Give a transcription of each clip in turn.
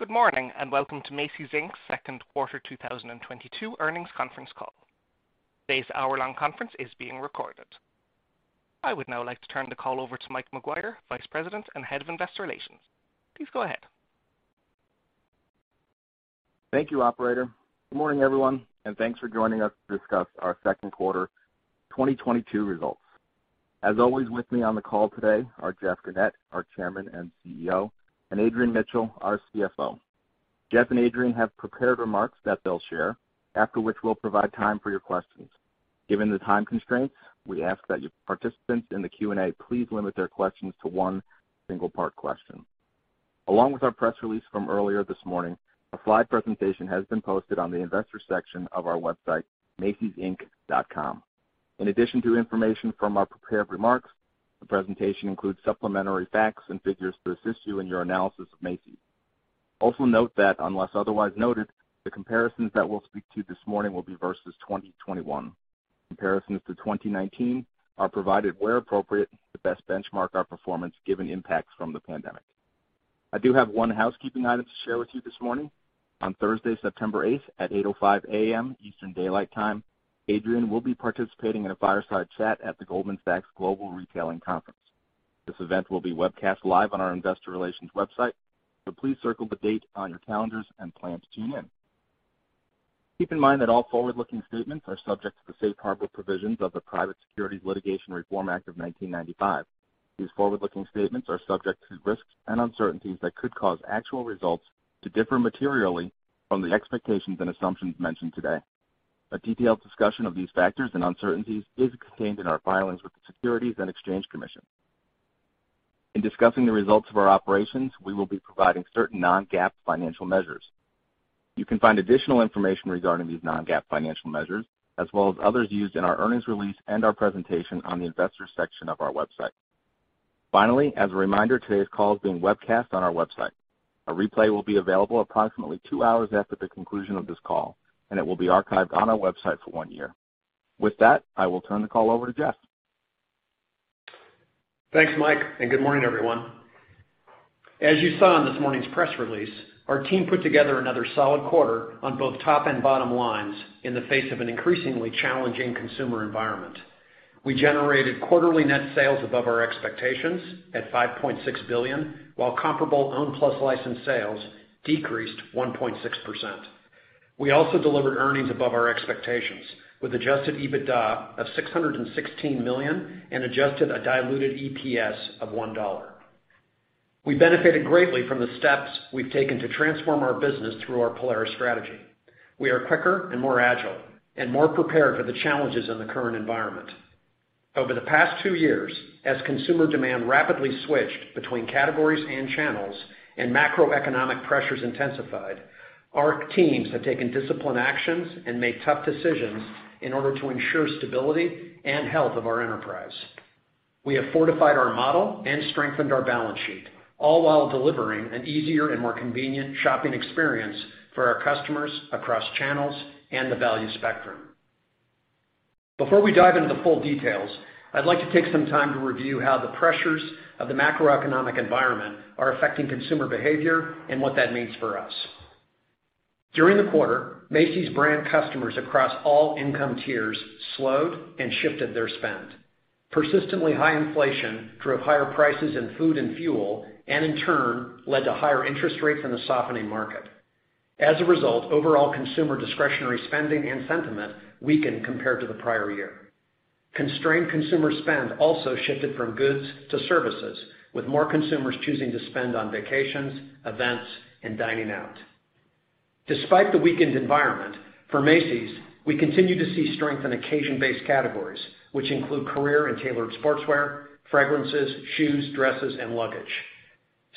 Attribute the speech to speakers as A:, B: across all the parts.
A: Good morning, and welcome to Macy's, Inc's second quarter 2022 earnings conference call. Today's hour-long conference is being recorded. I would now like to turn the call over to Mike McGuire, Vice President and Head of Investor Relations. Please go ahead.
B: Thank you, Operator. Good morning, everyone, and thanks for joining us to discuss our second quarter 2022 results. As always, with me on the call today are Jeff Gennette, our Chairman and CEO, and Adrian Mitchell, our CFO. Jeff and Adrian have prepared remarks that they'll share, after which we'll provide time for your questions. Given the time constraints, we ask that participants in the Q&A please limit their questions to one single-part question. Along with our press release from earlier this morning, a slide presentation has been posted on the Investors section of our website, macysinc.com. In addition to information from our prepared remarks, the presentation includes supplementary facts and figures to assist you in your analysis of Macy's. Also note that, unless otherwise noted, the comparisons that we'll speak to this morning will be versus 2021. Comparisons to 2019 are provided where appropriate to best benchmark our performance given impacts from the pandemic. I do have one housekeeping item to share with you this morning. On Thursday, September 8 at 8:05 A.M. Eastern Daylight Time, Adrian will be participating in a fireside chat at the Goldman Sachs Global Retailing Conference. This event will be webcast live on our investor relations website, so please circle the date on your calendars and plan to tune in. Keep in mind that all forward-looking statements are subject to the safe harbor provisions of the Private Securities Litigation Reform Act of 1995. These forward-looking statements are subject to risks and uncertainties that could cause actual results to differ materially from the expectations and assumptions mentioned today. A detailed discussion of these factors and uncertainties is contained in our filings with the Securities and Exchange Commission. In discussing the results of our operations, we will be providing certain non-GAAP financial measures. You can find additional information regarding these non-GAAP financial measures, as well as others used in our earnings release and our presentation on the Investors section of our website. Finally, as a reminder, today's call is being webcast on our website. A replay will be available approximately two hours after the conclusion of this call, and it will be archived on our website for one year. With that, I will turn the call over to Jeff.
C: Thanks, Mike, and good morning, everyone. As you saw in this morning's press release, our team put together another solid quarter on both top and bottom lines in the face of an increasingly challenging consumer environment. We generated quarterly net sales above our expectations at $5.6 billion, while comparable owned plus licensed sales decreased 1.6%. We also delivered earnings above our expectations, with adjusted EBITDA of $616 million and adjusted diluted EPS of $1. We benefited greatly from the steps we've taken to transform our business through our Polaris strategy. We are quicker and more agile and more prepared for the challenges in the current environment. Over the past two years, as consumer demand rapidly switched between categories and channels and macroeconomic pressures intensified, our teams have taken disciplined actions and made tough decisions in order to ensure stability and health of our enterprise. We have fortified our model and strengthened our balance sheet, all while delivering an easier and more convenient shopping experience for our customers across channels and the value spectrum. Before we dive into the full details, I'd like to take some time to review how the pressures of the macroeconomic environment are affecting consumer behavior and what that means for us. During the quarter, Macy's brand customers across all income tiers slowed and shifted their spend. Persistently high inflation drove higher prices in food and fuel, and in turn led to higher interest rates in the softening market. As a result, overall consumer discretionary spending and sentiment weakened compared to the prior year. Constrained consumer spend also shifted from goods to services, with more consumers choosing to spend on vacations, events, and dining out. Despite the weakened environment, for Macy's, we continue to see strength in occasion-based categories, which include career and tailored sportswear, fragrances, shoes, dresses, and luggage.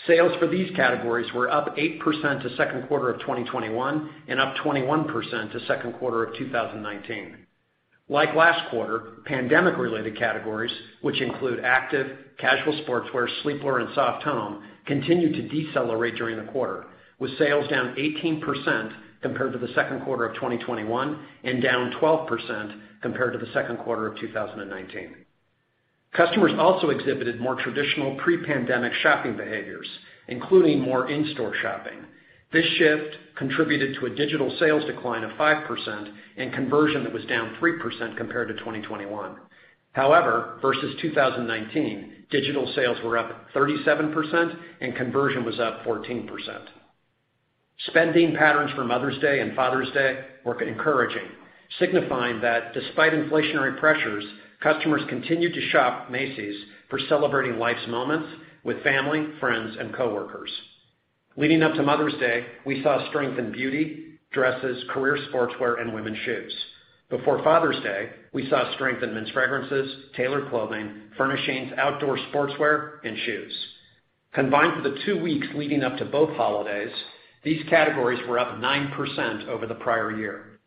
C: Sales for these categories were up 8% to second quarter of 2021 and up 21% to second quarter of 2019. Like last quarter, pandemic-related categories, which include active, casual sportswear, sleepwear, and soft home, continued to decelerate during the quarter, with sales down 18% compared to the second quarter of 2021 and down 12% compared to the second quarter of 2019. Customers also exhibited more traditional pre-pandemic shopping behaviors, including more in-store shopping. This shift contributed to a digital sales decline of 5% and conversion that was down 3% compared to 2021. However, versus 2019, digital sales were up 37% and conversion was up 14%. Spending patterns for Mother's Day and Father's Day were encouraging, signifying that despite inflationary pressures, customers continued to shop Macy's for celebrating life's moments with family, friends, and coworkers. Leading up to Mother's Day, we saw strength in beauty, dresses, career sportswear, and women's shoes. Before Father's Day, we saw strength in men's fragrances, tailored clothing, furnishings, outdoor sportswear, and shoes. Combined for the two weeks leading up to both holidays, these categories were up 9% over the prior year.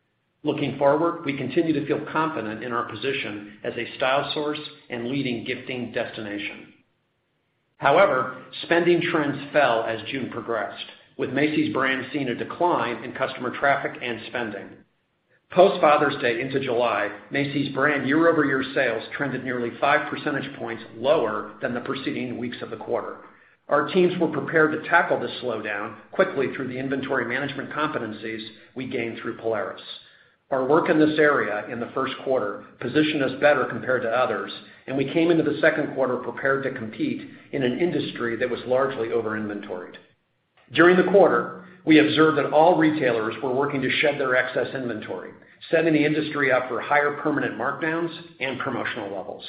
C: Looking forward, we continue to feel confident in our position as a style source and leading gifting destination. However, spending trends fell as June progressed, with Macy's brands seeing a decline in customer traffic and spending. Post Father's Day into July, Macy's brand year-over-year sales trended nearly 5 percentage points lower than the preceding weeks of the quarter. Our teams were prepared to tackle this slowdown quickly through the inventory management competencies we gained through Polaris. Our work in this area in the first quarter positioned us better compared to others, and we came into the second quarter prepared to compete in an industry that was largely over-inventoried. During the quarter, we observed that all retailers were working to shed their excess inventory, setting the industry up for higher permanent markdowns and promotional levels.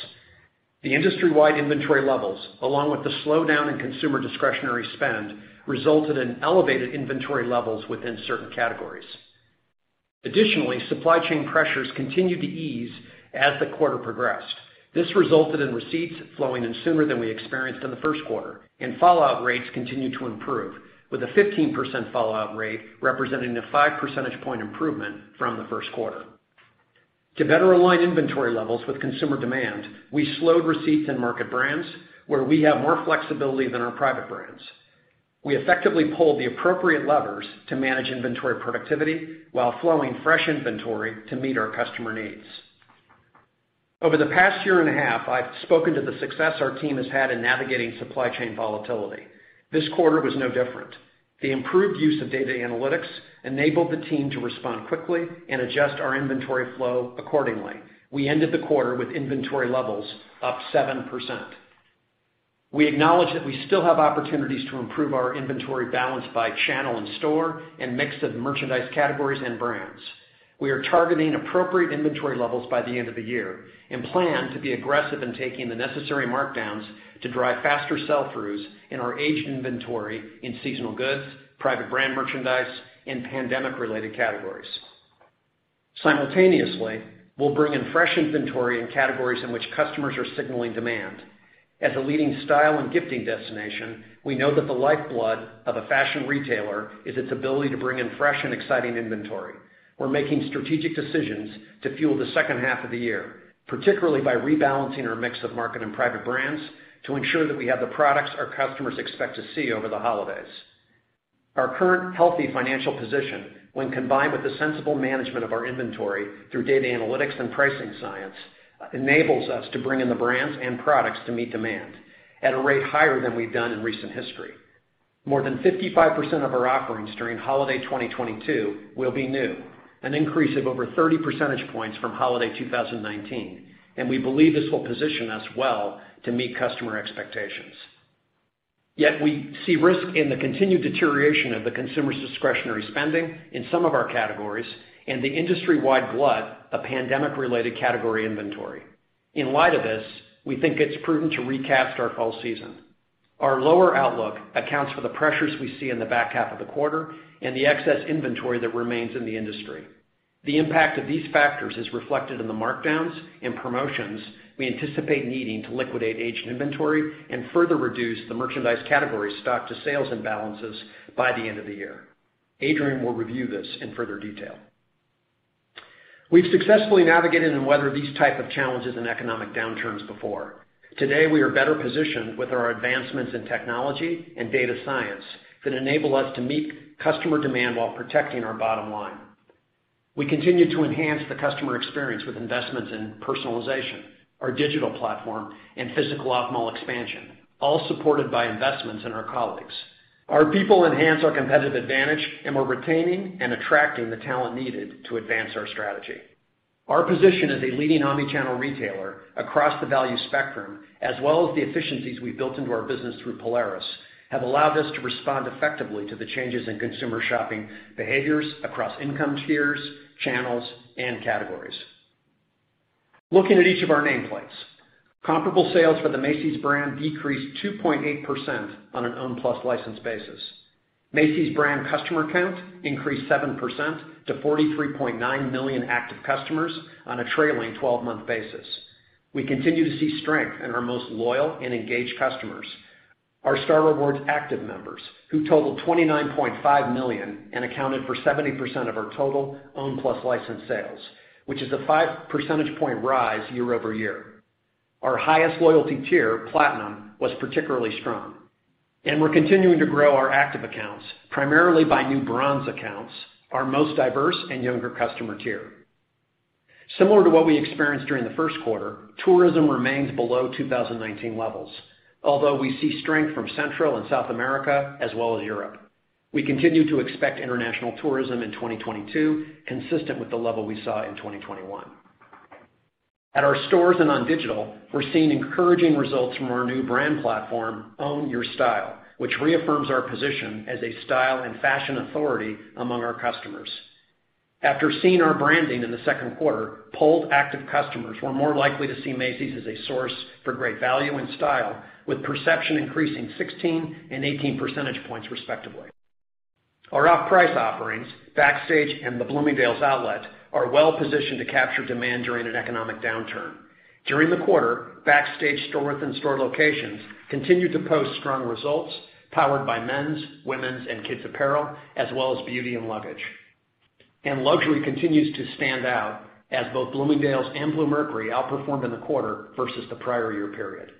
C: The industry-wide inventory levels, along with the slowdown in consumer discretionary spend, resulted in elevated inventory levels within certain categories. Additionally, supply chain pressures continued to ease as the quarter progressed. This resulted in receipts flowing in sooner than we experienced in the first quarter, and fallout rates continued to improve, with a 15% fallout rate representing a five percentage point improvement from the first quarter. To better align inventory levels with consumer demand, we slowed receipts in market brands, where we have more flexibility than our private brands. We effectively pulled the appropriate levers to manage inventory productivity while flowing fresh inventory to meet our customer needs. Over the past year and a half, I've spoken to the success our team has had in navigating supply chain volatility. This quarter was no different. The improved use of data analytics enabled the team to respond quickly and adjust our inventory flow accordingly. We ended the quarter with inventory levels up 7%. We acknowledge that we still have opportunities to improve our inventory balance by channel and store and mix of merchandise categories and brands. We are targeting appropriate inventory levels by the end of the year and plan to be aggressive in taking the necessary markdowns to drive faster sell-throughs in our aged inventory in seasonal goods, private brand merchandise, and pandemic-related categories. Simultaneously, we'll bring in fresh inventory in categories in which customers are signaling demand. As a leading style and gifting destination, we know that the lifeblood of a fashion retailer is its ability to bring in fresh and exciting inventory. We're making strategic decisions to fuel the second half of the year, particularly by rebalancing our mix of market and private brands to ensure that we have the products our customers expect to see over the holidays. Our current healthy financial position, when combined with the sensible management of our inventory through data analytics and pricing science, enables us to bring in the brands and products to meet demand at a rate higher than we've done in recent history. More than 55% of our offerings during holiday 2022 will be new, an increase of over 30 percentage points from holiday 2019, and we believe this will position us well to meet customer expectations. Yet we see risk in the continued deterioration of the consumer's discretionary spending in some of our categories and the industry-wide glut of pandemic-related category inventory. In light of this, we think it's prudent to recast our fall season. Our lower outlook accounts for the pressures we see in the back half of the quarter and the excess inventory that remains in the industry. The impact of these factors is reflected in the markdowns and promotions we anticipate needing to liquidate aged inventory and further reduce the merchandise category stock to sales imbalances by the end of the year. Adrian will review this in further detail. We've successfully navigated and weathered these type of challenges and economic downturns before. Today, we are better positioned with our advancements in technology and data science that enable us to meet customer demand while protecting our bottom line. We continue to enhance the customer experience with investments in personalization, our digital platform, and physical off-mall expansion, all supported by investments in our colleagues. Our people enhance our competitive advantage, and we're retaining and attracting the talent needed to advance our strategy. Our position as a leading omni-channel retailer across the value spectrum, as well as the efficiencies we've built into our business through Polaris, have allowed us to respond effectively to the changes in consumer shopping behaviors across income tiers, channels, and categories. Looking at each of our nameplates, comparable sales for the Macy's brand decreased 2.8% on an owned plus licensed basis. Macy's brand customer count increased 7% to 43.9 million active customers on a trailing 12-month basis. We continue to see strength in our most loyal and engaged customers, our Star Rewards active members, who totaled 29.5 million and accounted for 70% of our total owned plus licensed sales, which is a 5 percentage point rise year-over-year. Our highest loyalty tier, Platinum, was particularly strong, and we're continuing to grow our active accounts, primarily by new Bronze accounts, our most diverse and younger customer tier. Similar to what we experienced during the first quarter, tourism remains below 2019 levels, although we see strength from Central and South America as well as Europe. We continue to expect international tourism in 2022, consistent with the level we saw in 2021. At our stores and on digital, we're seeing encouraging results from our new brand platform, Own Your Style, which reaffirms our position as a style and fashion authority among our customers. After seeing our branding in the second quarter, polled active customers were more likely to see Macy's as a source for great value and style, with perception increasing 16 and 18 percentage points, respectively. Our off-price offerings, Backstage and the Bloomingdale's Outlet, are well-positioned to capture demand during an economic downturn. During the quarter, Backstage store-within-store locations continued to post strong results, powered by men's, women's, and kids' apparel, as well as beauty and luggage. Luxury continues to stand out as both Bloomingdale's and Bluemercury outperformed in the quarter versus the prior year period.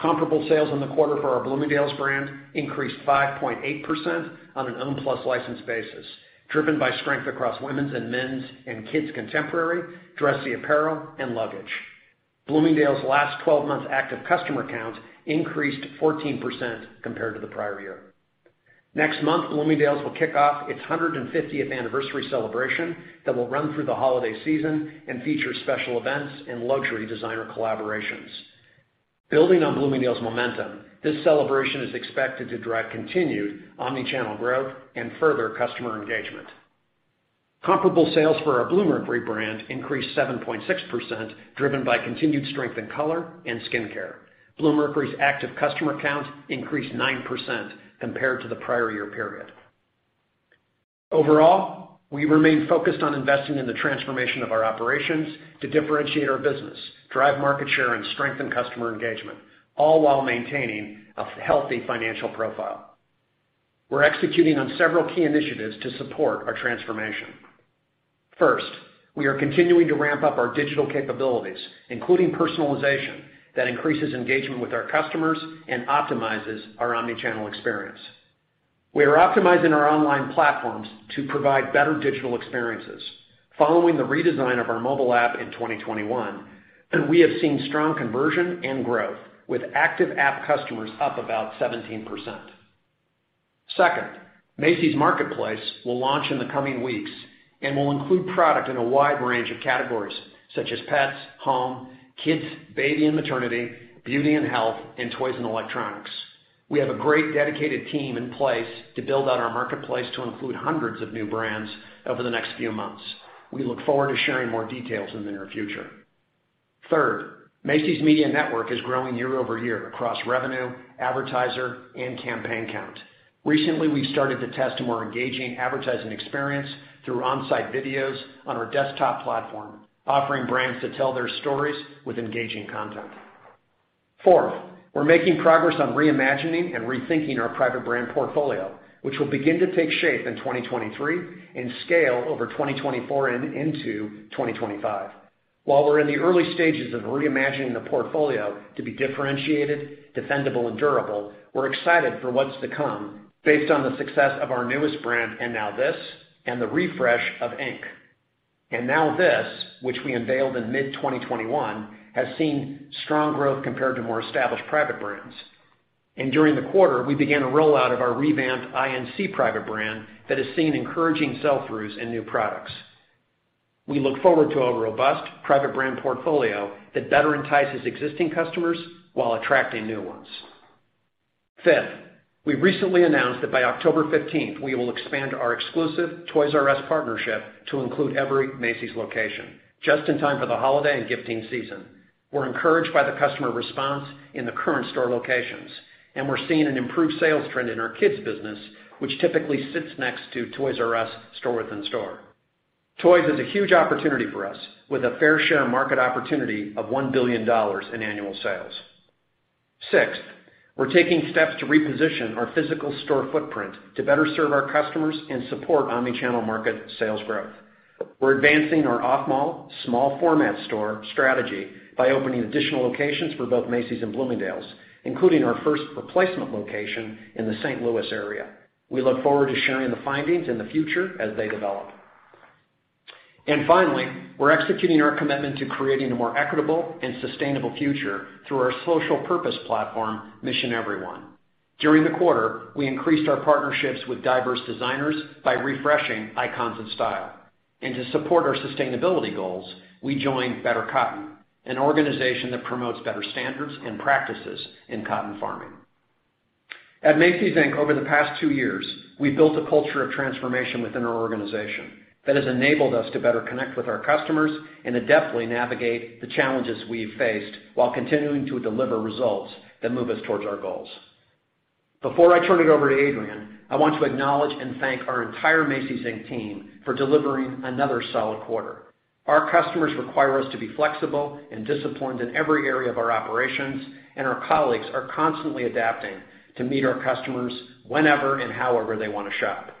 C: Comparable sales in the quarter for our Bloomingdale's brand increased 5.8% on an owned plus licensed basis, driven by strength across women's and men's and kids contemporary, dressy apparel, and luggage. Bloomingdale's last twelve months active customer count increased 14% compared to the prior year. Next month, Bloomingdale's will kick off its 150th anniversary celebration that will run through the holiday season and feature special events and luxury designer collaborations. Building on Bloomingdale's momentum, this celebration is expected to drive continued omni-channel growth and further customer engagement. Comparable sales for our Bluemercury brand increased 7.6%, driven by continued strength in color and skincare. Bluemercury's active customer count increased 9% compared to the prior year period. Overall, we remain focused on investing in the transformation of our operations to differentiate our business, drive market share, and strengthen customer engagement, all while maintaining a healthy financial profile. We're executing on several key initiatives to support our transformation. First, we are continuing to ramp up our digital capabilities, including personalization, that increases engagement with our customers and optimizes our omni-channel experience. We are optimizing our online platforms to provide better digital experiences following the redesign of our mobile app in 2021, and we have seen strong conversion and growth with active app customers up about 17%. Second, Macy's Marketplace will launch in the coming weeks and will include products in a wide range of categories such as pets, home, kids, baby and maternity, beauty and health, and toys and electronics. We have a great dedicated team in place to build out our marketplace to include hundreds of new brands over the next few months. We look forward to sharing more details in the near future. Third, Macy's Media Network is growing year-over-year across revenue, advertiser, and campaign count. Recently, we started to test a more engaging advertising experience through on-site videos on our desktop platform, offering brands to tell their stories with engaging content. Fourth, we're making progress on reimagining and rethinking our private brand portfolio, which will begin to take shape in 2023 and scale over 2024 and into 2025. While we're in the early stages of reimagining the portfolio to be differentiated, defendable, and durable, we're excited for what's to come based on the success of our newest brand, And Now This, and the refresh of I.N.C. And Now This, which we unveiled in mid-2021, has seen strong growth compared to more established private brands. During the quarter, we began a rollout of our revamped I.N.C. private brand that has seen encouraging sell-throughs in new products. We look forward to a robust private brand portfolio that better entices existing customers while attracting new ones. Fifth, we recently announced that by October 15th, we will expand our exclusive Toys"R"Us partnership to include every Macy's location just in time for the holiday and gifting season. We're encouraged by the customer response in the current store locations, and we're seeing an improved sales trend in our kids business, which typically sits next to Toys"R"Us store within store. Toys is a huge opportunity for us with a fair share of market opportunity of $1 billion in annual sales. Sixth, we're taking steps to reposition our physical store footprint to better serve our customers and support omni-channel market sales growth. We're advancing our off-mall, small format store strategy by opening additional locations for both Macy's and Bloomingdale's, including our first replacement location in the St. Louis area. We look forward to sharing the findings in the future as they develop. Finally, we're executing our commitment to creating a more equitable and sustainable future through our social purpose platform, Mission Every One. During the quarter, we increased our partnerships with diverse designers by refreshing icons of style. To support our sustainability goals, we joined Better Cotton, an organization that promotes better standards and practices in cotton farming. At Macy's, Inc over the past two years, we've built a culture of transformation within our organization that has enabled us to better connect with our customers and adeptly navigate the challenges we have faced while continuing to deliver results that move us towards our goals. Before I turn it over to Adrian, I want to acknowledge and thank our entire Macy's, Inc team for delivering another solid quarter. Our customers require us to be flexible and disciplined in every area of our operations, and our colleagues are constantly adapting to meet our customers whenever and however they want to shop.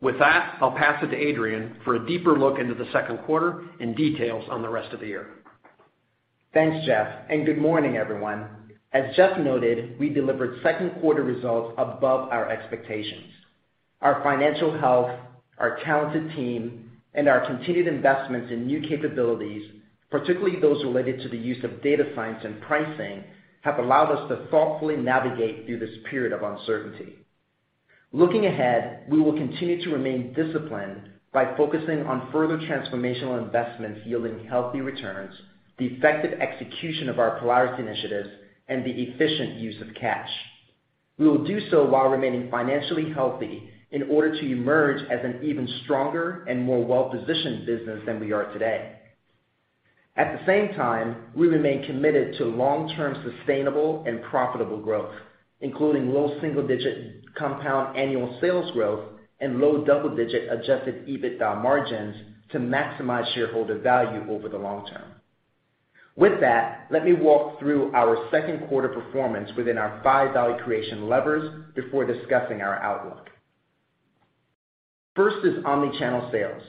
C: With that, I'll pass it to Adrian for a deeper look into the second quarter and details on the rest of the year.
D: Thanks, Jeff, and good morning, everyone. As Jeff noted, we delivered second quarter results above our expectations. Our financial health, our talented team, and our continued investments in new capabilities, particularly those related to the use of data science and pricing, have allowed us to thoughtfully navigate through this period of uncertainty. Looking ahead, we will continue to remain disciplined by focusing on further transformational investments yielding healthy returns, the effective execution of our Polaris initiatives, and the efficient use of cash. We will do so while remaining financially healthy in order to emerge as an even stronger and more well-positioned business than we are today. At the same time, we remain committed to long-term sustainable and profitable growth, including low single digit compound annual sales growth and low double-digit adjusted EBITDA margins to maximize shareholder value over the long term. With that, let me walk through our second quarter performance within our five value creation levers before discussing our outlook. First is omni-channel sales.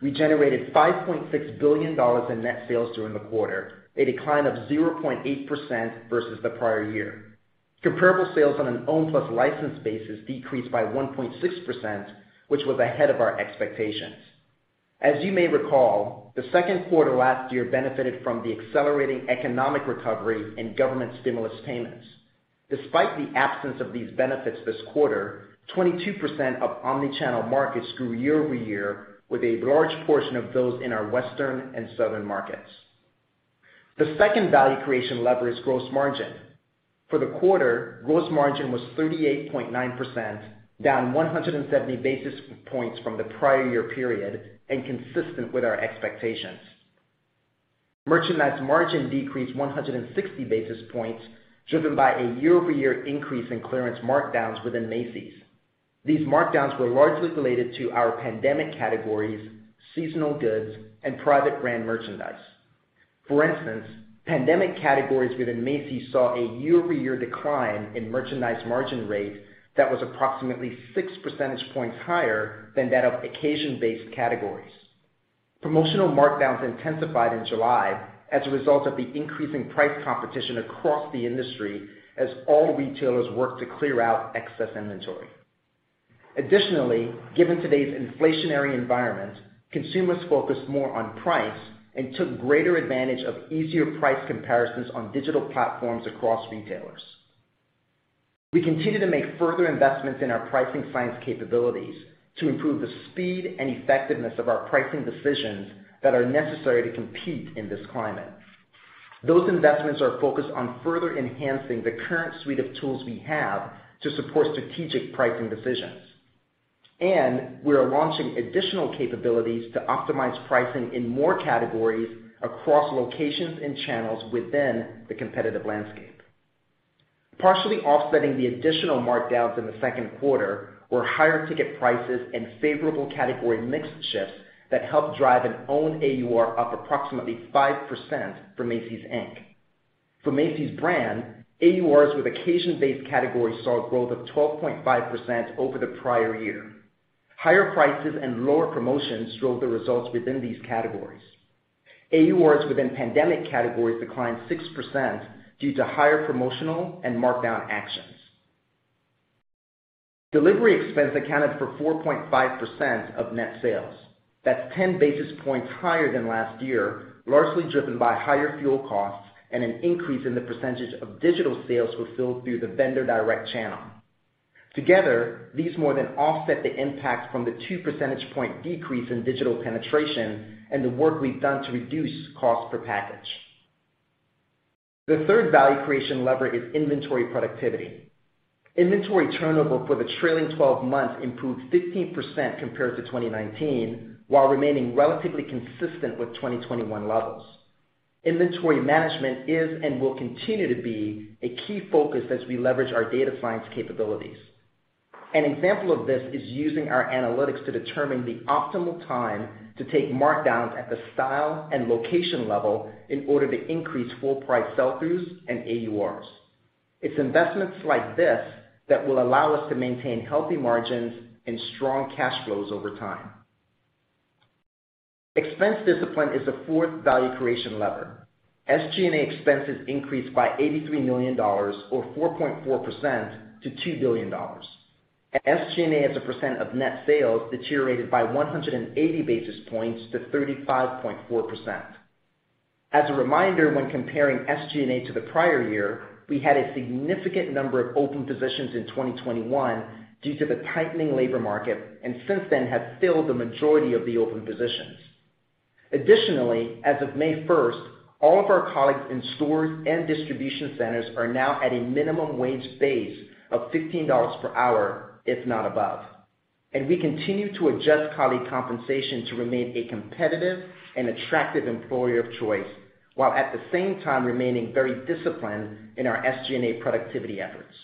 D: We generated $5.6 billion in net sales during the quarter, a decline of 0.8% versus the prior year. Comparable sales on an own plus licensed basis decreased by 1.6%, which was ahead of our expectations. As you may recall, the second quarter last year benefited from the accelerating economic recovery and government stimulus payments. Despite the absence of these benefits this quarter, 22% of omni-channel markets grew year-over-year with a large portion of those in our Western and Southern markets. The second value creation lever is gross margin. For the quarter, gross margin was 38.9%, down 170 basis points from the prior year period and consistent with our expectations. Merchandise margin decreased 160 basis points, driven by a year-over-year increase in clearance markdowns within Macy's. These markdowns were largely related to our pandemic categories, seasonal goods, and private brand merchandise. For instance, pandemic categories within Macy's saw a year-over-year decline in merchandise margin rate that was approximately 6 percentage points higher than that of occasion-based categories. Promotional markdowns intensified in July as a result of the increasing price competition across the industry as all retailers work to clear out excess inventory. Additionally, given today's inflationary environment, consumers focused more on price and took greater advantage of easier price comparisons on digital platforms across retailers. We continue to make further investments in our pricing science capabilities to improve the speed and effectiveness of our pricing decisions that are necessary to compete in this climate. Those investments are focused on further enhancing the current suite of tools we have to support strategic pricing decisions. We are launching additional capabilities to optimize pricing in more categories across locations and channels within the competitive landscape. Partially offsetting the additional markdowns in the second quarter were higher ticket prices and favorable category mix shifts that helped drive an own AUR up approximately 5% for Macy's, Inc. For Macy's brand, AURs with occasion-based categories saw a growth of 12.5% over the prior year. Higher prices and lower promotions drove the results within these categories. AURs within pandemic categories declined 6% due to higher promotional and markdown actions. Delivery expense accounted for 4.5% of net sales. That's 10 basis points higher than last year, largely driven by higher fuel costs and an increase in the percentage of digital sales fulfilled through the vendor direct channel. Together, these more than offset the impact from the 2 percentage point decrease in digital penetration and the work we've done to reduce cost per package. The third value creation lever is inventory productivity. Inventory turnover for the trailing 12 months improved 15% compared to 2019, while remaining relatively consistent with 2021 levels. Inventory management is and will continue to be a key focus as we leverage our data science capabilities. An example of this is using our analytics to determine the optimal time to take markdowns at the style and location level in order to increase full price sell-throughs and AURs. It's investments like this that will allow us to maintain healthy margins and strong cash flows over time. Expense discipline is the fourth value creation lever. SG&A expenses increased by $83 million or 4.4% to $2 billion. SG&A as a percent of net sales deteriorated by 180 basis points to 35.4%. As a reminder, when comparing SG&A to the prior year, we had a significant number of open positions in 2021 due to the tightening labor market, and since then have filled the majority of the open positions. Additionally, as of May 1, all of our colleagues in stores and distribution centers are now at a minimum wage base of $15 per hour, if not above. We continue to adjust colleague compensation to remain a competitive and attractive employer of choice, while at the same time remaining very disciplined in our SG&A productivity efforts.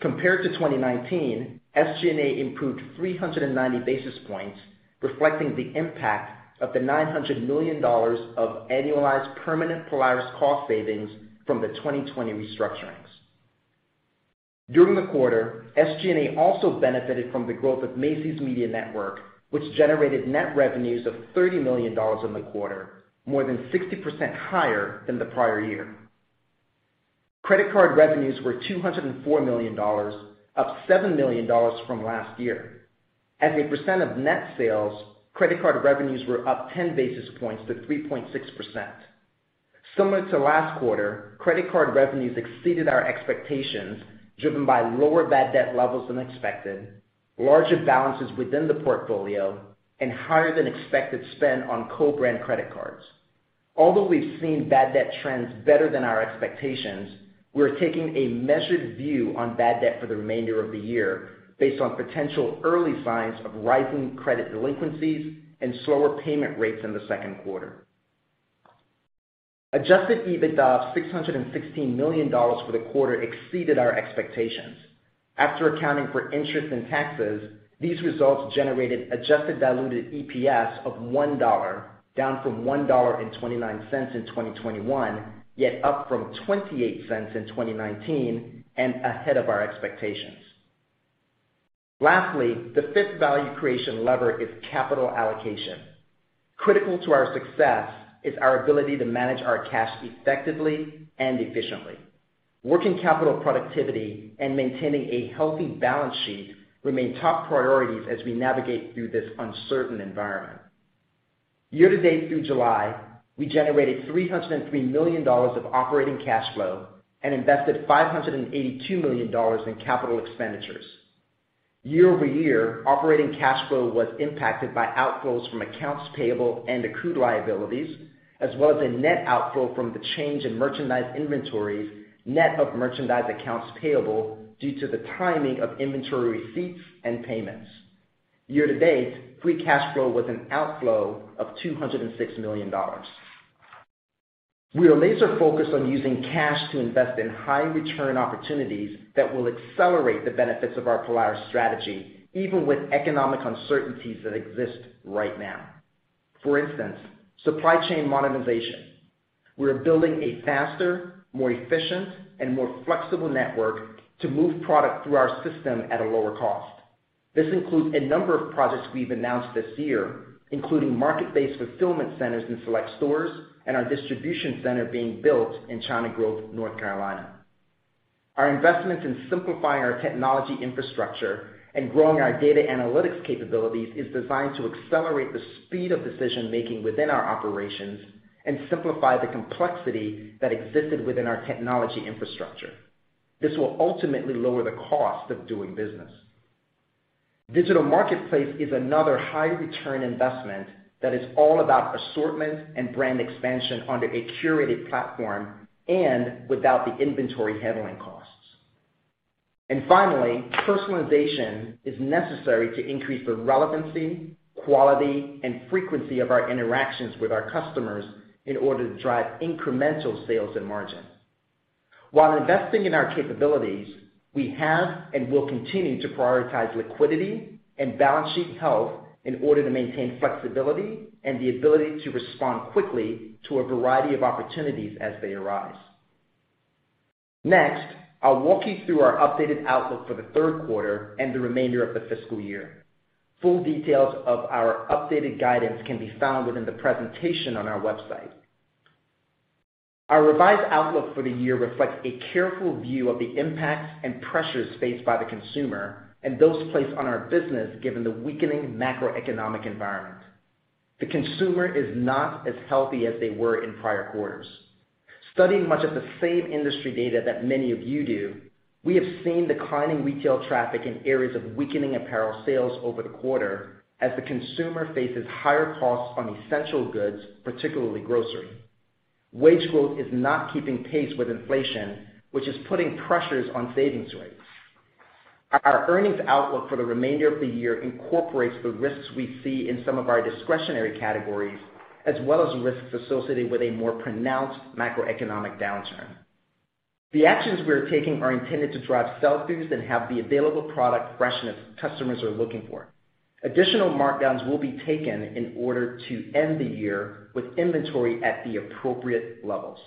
D: Compared to 2019, SG&A improved 390 basis points, reflecting the impact of the $900 million of annualized permanent Polaris cost savings from the 2020 restructurings. During the quarter, SG&A also benefited from the growth of Macy's Media Network, which generated net revenues of $30 million in the quarter, more than 60% higher than the prior year. Credit card revenues were $204 million, up $7 million from last year. As a percent of net sales, credit card revenues were up 10 basis points to 3.6%. Similar to last quarter, credit card revenues exceeded our expectations, driven by lower bad debt levels than expected, larger balances within the portfolio, and higher than expected spend on co-brand credit cards. Although we've seen bad debt trends better than our expectations, we're taking a measured view on bad debt for the remainder of the year based on potential early signs of rising credit delinquencies and slower payment rates in the second quarter. Adjusted EBITDA of $616 million for the quarter exceeded our expectations. After accounting for interest and taxes, these results generated adjusted diluted EPS of $1, down from $1.29 in 2021, yet up from $0.28 in 2019 and ahead of our expectations. Lastly, the fifth value creation lever is capital allocation. Critical to our success is our ability to manage our cash effectively and efficiently. Working capital productivity and maintaining a healthy balance sheet remain top priorities as we navigate through this uncertain environment. Year-to-date through July, we generated $303 million of operating cash flow and invested $582 million in capital expenditures. Year-over-year, operating cash flow was impacted by outflows from accounts payable and accrued liabilities, as well as a net outflow from the change in merchandise inventories, net of merchandise accounts payable, due to the timing of inventory receipts and payments. Year-to-date, free cash flow was an outflow of $206 million. We are laser-focused on using cash to invest in high-return opportunities that will accelerate the benefits of our Polaris strategy, even with economic uncertainties that exist right now. For instance, supply chain monetization. We are building a faster, more efficient, and more flexible network to move product through our system at a lower cost. This includes a number of projects we've announced this year, including market-based fulfillment centers in select stores and our distribution center being built in China Grove, North Carolina. Our investments in simplifying our technology infrastructure and growing our data analytics capabilities is designed to accelerate the speed of decision-making within our operations and simplify the complexity that existed within our technology infrastructure. This will ultimately lower the cost of doing business. Macy's Marketplace is another high-return investment that is all about assortment and brand expansion under a curated platform and without the inventory handling costs. Finally, personalization is necessary to increase the relevancy, quality, and frequency of our interactions with our customers in order to drive incremental sales and margins. While investing in our capabilities, we have and will continue to prioritize liquidity and balance sheet health in order to maintain flexibility and the ability to respond quickly to a variety of opportunities as they arise. Next, I'll walk you through our updated outlook for the third quarter and the remainder of the fiscal year. Full details of our updated guidance can be found within the presentation on our website. Our revised outlook for the year reflects a careful view of the impacts and pressures faced by the consumer and those placed on our business, given the weakening macroeconomic environment. The consumer is not as healthy as they were in prior quarters. Studying much of the same industry data that many of you do, we have seen declining retail traffic in areas of weakening apparel sales over the quarter as the consumer faces higher costs on essential goods, particularly grocery. Wage growth is not keeping pace with inflation, which is putting pressures on savings rates. Our earnings outlook for the remainder of the year incorporates the risks we see in some of our discretionary categories, as well as risks associated with a more pronounced macroeconomic downturn. The actions we are taking are intended to drive sell-throughs and have the available product freshness customers are looking for. Additional markdowns will be taken in order to end the year with inventory at the appropriate levels.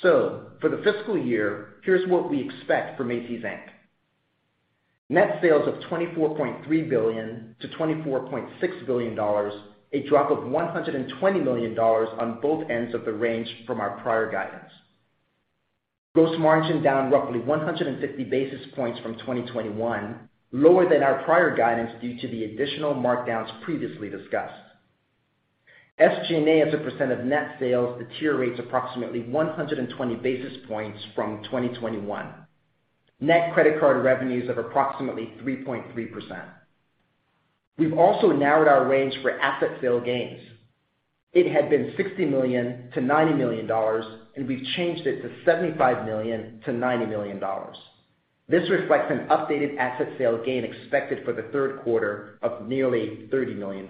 D: For the fiscal year, here's what we expect for Macy's, Inc. Net sales of $24.3 billion-$24.6 billion, a drop of $120 million on both ends of the range from our prior guidance. Gross margin down roughly 150 basis points from 2021, lower than our prior guidance due to the additional markdowns previously discussed. SG&A as a percent of net sales deteriorates approximately 120 basis points from 2021. Net credit card revenues of approximately 3.3%. We've also narrowed our range for asset sale gains. It had been $60 million-$90 million, and we've changed it to $75 million-$90 million. This reflects an updated asset sale gain expected for the third quarter of nearly $30 million.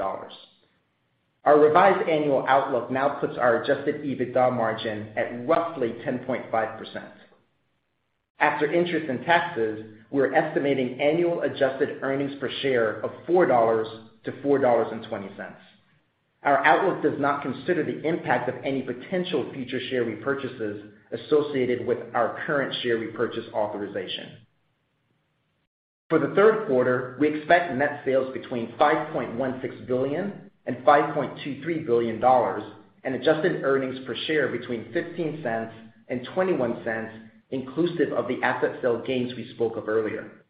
D: Our revised annual outlook now puts our adjusted EBITDA margin at roughly 10.5%. After interest and taxes, we're estimating annual adjusted earnings per share of $4-$4.20. Our outlook does not consider the impact of any potential future share repurchases associated with our current share repurchase authorization. For the third quarter, we expect net sales between $5.16 billion and $5.23 billion and adjusted earnings per share between $0.15 and $0.21, inclusive of the asset sale gains we spoke of earlier.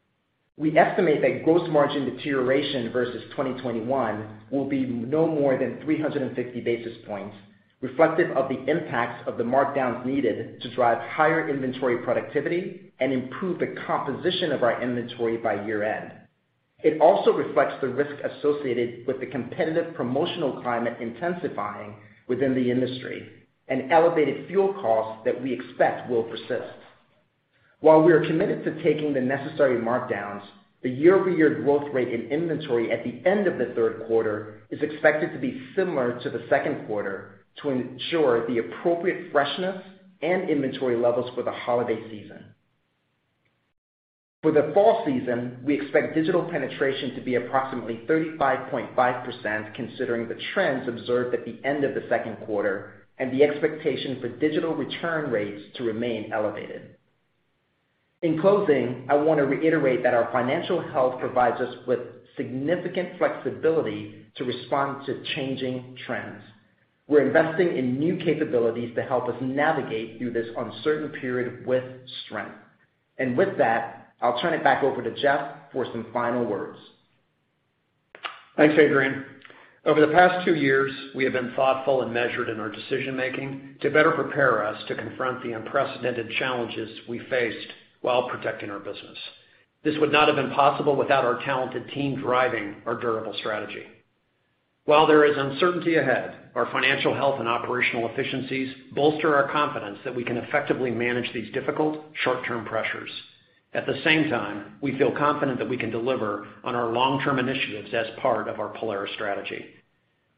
D: We estimate that gross margin deterioration versus 2021 will be no more than 350 basis points, reflective of the impacts of the markdowns needed to drive higher inventory productivity and improve the composition of our inventory by year-end. It also reflects the risk associated with the competitive promotional climate intensifying within the industry and elevated fuel costs that we expect will persist. While we are committed to taking the necessary markdowns, the year-over-year growth rate in inventory at the end of the third quarter is expected to be similar to the second quarter to ensure the appropriate freshness and inventory levels for the holiday season. For the fall season, we expect digital penetration to be approximately 35.5%, considering the trends observed at the end of the second quarter and the expectation for digital return rates to remain elevated. In closing, I want to reiterate that our financial health provides us with significant flexibility to respond to changing trends. We're investing in new capabilities to help us navigate through this uncertain period with strength. With that, I'll turn it back over to Jeff for some final words.
C: Thanks, Adrian. Over the past two years, we have been thoughtful and measured in our decision-making to better prepare us to confront the unprecedented challenges we faced while protecting our business. This would not have been possible without our talented team driving our durable strategy. While there is uncertainty ahead, our financial health and operational efficiencies bolster our confidence that we can effectively manage these difficult short-term pressures. At the same time, we feel confident that we can deliver on our long-term initiatives as part of our Polaris strategy.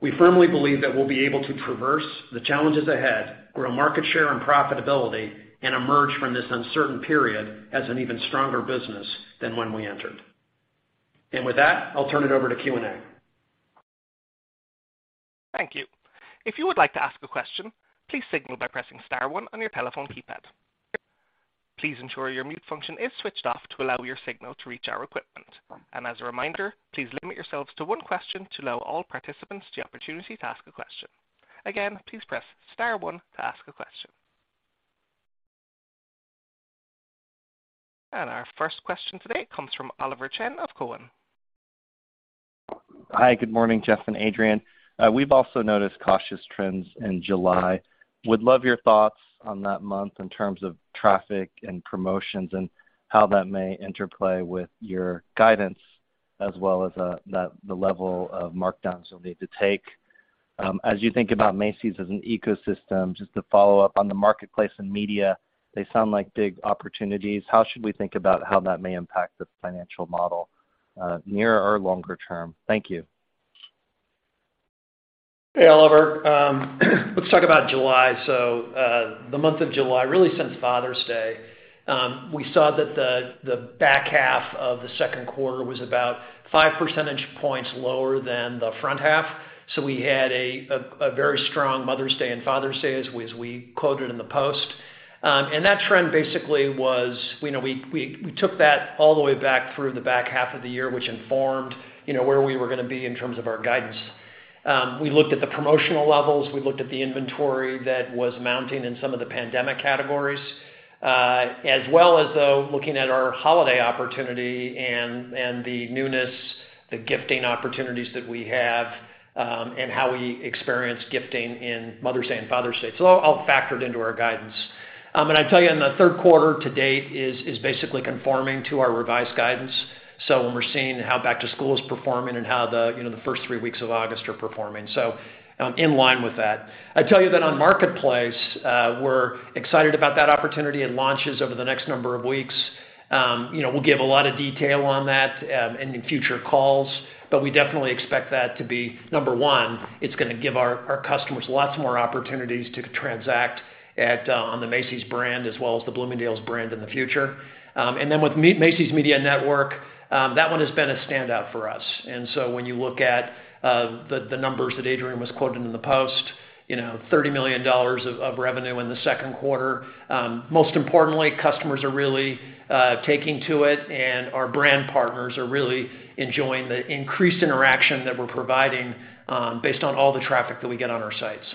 C: We firmly believe that we'll be able to traverse the challenges ahead, grow market share and profitability, and emerge from this uncertain period as an even stronger business than when we entered. With that, I'll turn it over to Q&A.
A: Thank you. If you would like to ask a question, please signal by pressing star one on your telephone keypad. Please ensure your mute function is switched off to allow your signal to reach our equipment. As a reminder, please limit yourselves to one question to allow all participants the opportunity to ask a question. Again, please press star one to ask a question. Our first question today comes from Oliver Chen of Cowen.
E: Hi, good morning, Jeff and Adrian. We've also noticed cautious trends in July. Would love your thoughts on that month in terms of traffic and promotions and how that may interplay with your guidance as well as the level of markdowns you'll need to take. As you think about Macy's as an ecosystem, just to follow up on the marketplace and media, they sound like big opportunities. How should we think about how that may impact the financial model, near or longer term? Thank you.
C: Hey, Oliver. Let's talk about July. The month of July, really since Father's Day, we saw that the back half of the second quarter was about 5 percentage points lower than the front half. We had a very strong Mother's Day and Father's Day as we quoted in the post. That trend basically was, you know, we took that all the way back through the back half of the year, which informed, you know, where we were gonna be in terms of our guidance. We looked at the promotional levels, we looked at the inventory that was mounting in some of the pandemic categories, as well as though looking at our holiday opportunity and the newness, the gifting opportunities that we have, and how we experience gifting in Mother's Day and Father's Day. All factored into our guidance. I'd tell you in the third quarter to date is basically conforming to our revised guidance. When we're seeing how back to school is performing and how the first three weeks of August are performing. In line with that. I'd tell you that on Marketplace, we're excited about that opportunity and launches over the next number of weeks. You know, we'll give a lot of detail on that in future calls, but we definitely expect that to be, number one, it's gonna give our customers lots more opportunities to transact on the Macy's brand as well as the Bloomingdale's brand in the future. And then with Macy's Media Network, that one has been a standout for us. When you look at the numbers that Adrian was quoting in the post, you know, $30 million of revenue in the second quarter. Most importantly, customers are really taking to it and our brand partners are really enjoying the increased interaction that we're providing based on all the traffic that we get on our sites.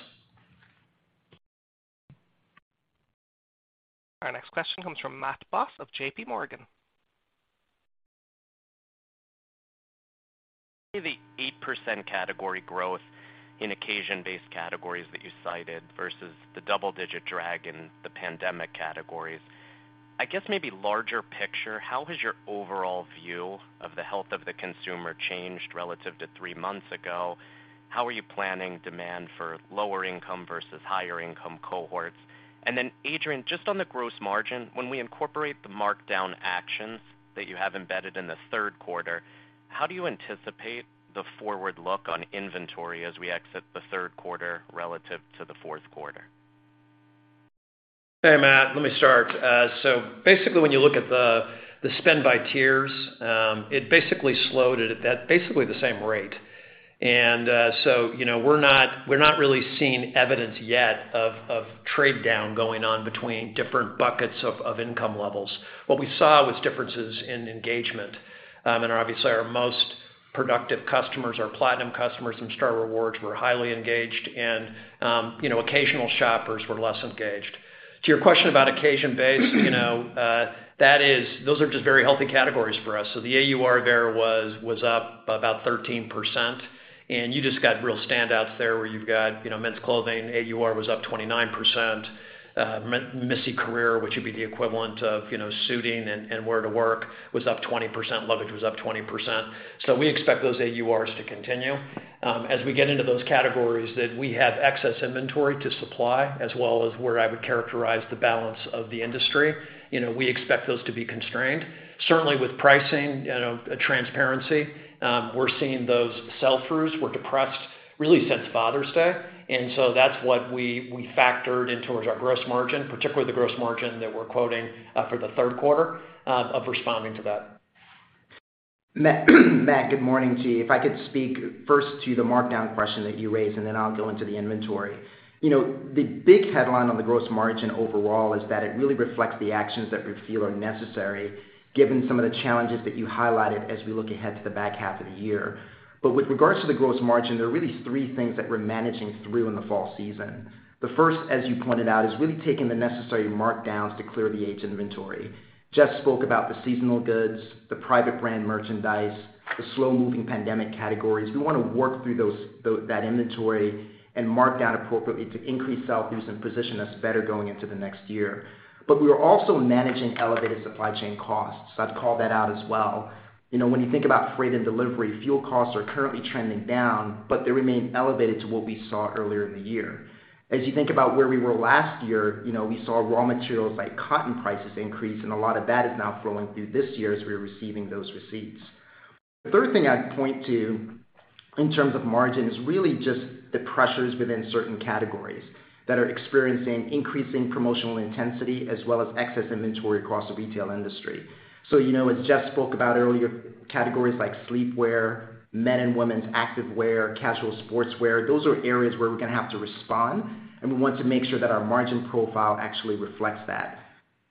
A: Our next question comes from Matt Boss of JPMorgan.
F: The 8% category growth in occasion-based categories that you cited versus the double-digit drag in the pandemic categories. I guess maybe bigger picture, how has your overall view of the health of the consumer changed relative to three months ago? How are you planning demand for lower income versus higher income cohorts? Then Adrian, just on the gross margin, when we incorporate the markdown actions that you have embedded in the third quarter, how do you anticipate the forward look on inventory as we exit the third quarter relative to the fourth quarter?
C: Hey, Matt, let me start. Basically when you look at the spend by tiers, it basically slowed at basically the same rate. You know, we're not really seeing evidence yet of trade down going on between different buckets of income levels. What we saw was differences in engagement. Obviously our most productive customers are platinum customers, and Star Rewards were highly engaged, you know, occasional shoppers were less engaged. To your question about occasion-based, you know, those are just very healthy categories for us. The AUR there was up about 13%. You just got real standouts there where you've got, you know, men's clothing, AUR was up 29%. Missy career, which would be the equivalent of, you know, suiting and wear to work, was up 20%. Luggage was up 20%. We expect those AURs to continue. As we get into those categories that we have excess inventory to supply, as well as where I would characterize the balance of the industry, you know, we expect those to be constrained. Certainly with pricing, you know, transparency, we're seeing those sell-throughs were depressed really since Father's Day. That's what we factored in towards our gross margin, particularly the gross margin that we're quoting for the third quarter of responding to that.
D: Matt, good morning to you. If I could speak first to the markdown question that you raised, and then I'll go into the inventory. You know, the big headline on the gross margin overall is that it really reflects the actions that we feel are necessary given some of the challenges that you highlighted as we look ahead to the back half of the year. With regards to the gross margin, there are really three things that we're managing through in the fall season. The first, as you pointed out, is really taking the necessary markdowns to clear the aged inventory. Jeff spoke about the seasonal goods, the private brand merchandise, the slow-moving pandemic categories. We wanna work through that inventory and markdown appropriately to increase sell-throughs and position us better going into the next year. We are also managing elevated supply chain costs. I'd call that out as well. You know, when you think about freight and delivery, fuel costs are currently trending down, but they remain elevated to what we saw earlier in the year. As you think about where we were last year, you know, we saw raw materials like cotton prices increase, and a lot of that is now flowing through this year as we're receiving those receipts. The third thing I'd point to in terms of margin is really just the pressures within certain categories that are experiencing increasing promotional intensity as well as excess inventory across the retail industry. You know, as Jeff spoke about earlier, categories like sleepwear, men and women's active wear, casual sportswear, those are areas where we're gonna have to respond, and we want to make sure that our margin profile actually reflects that.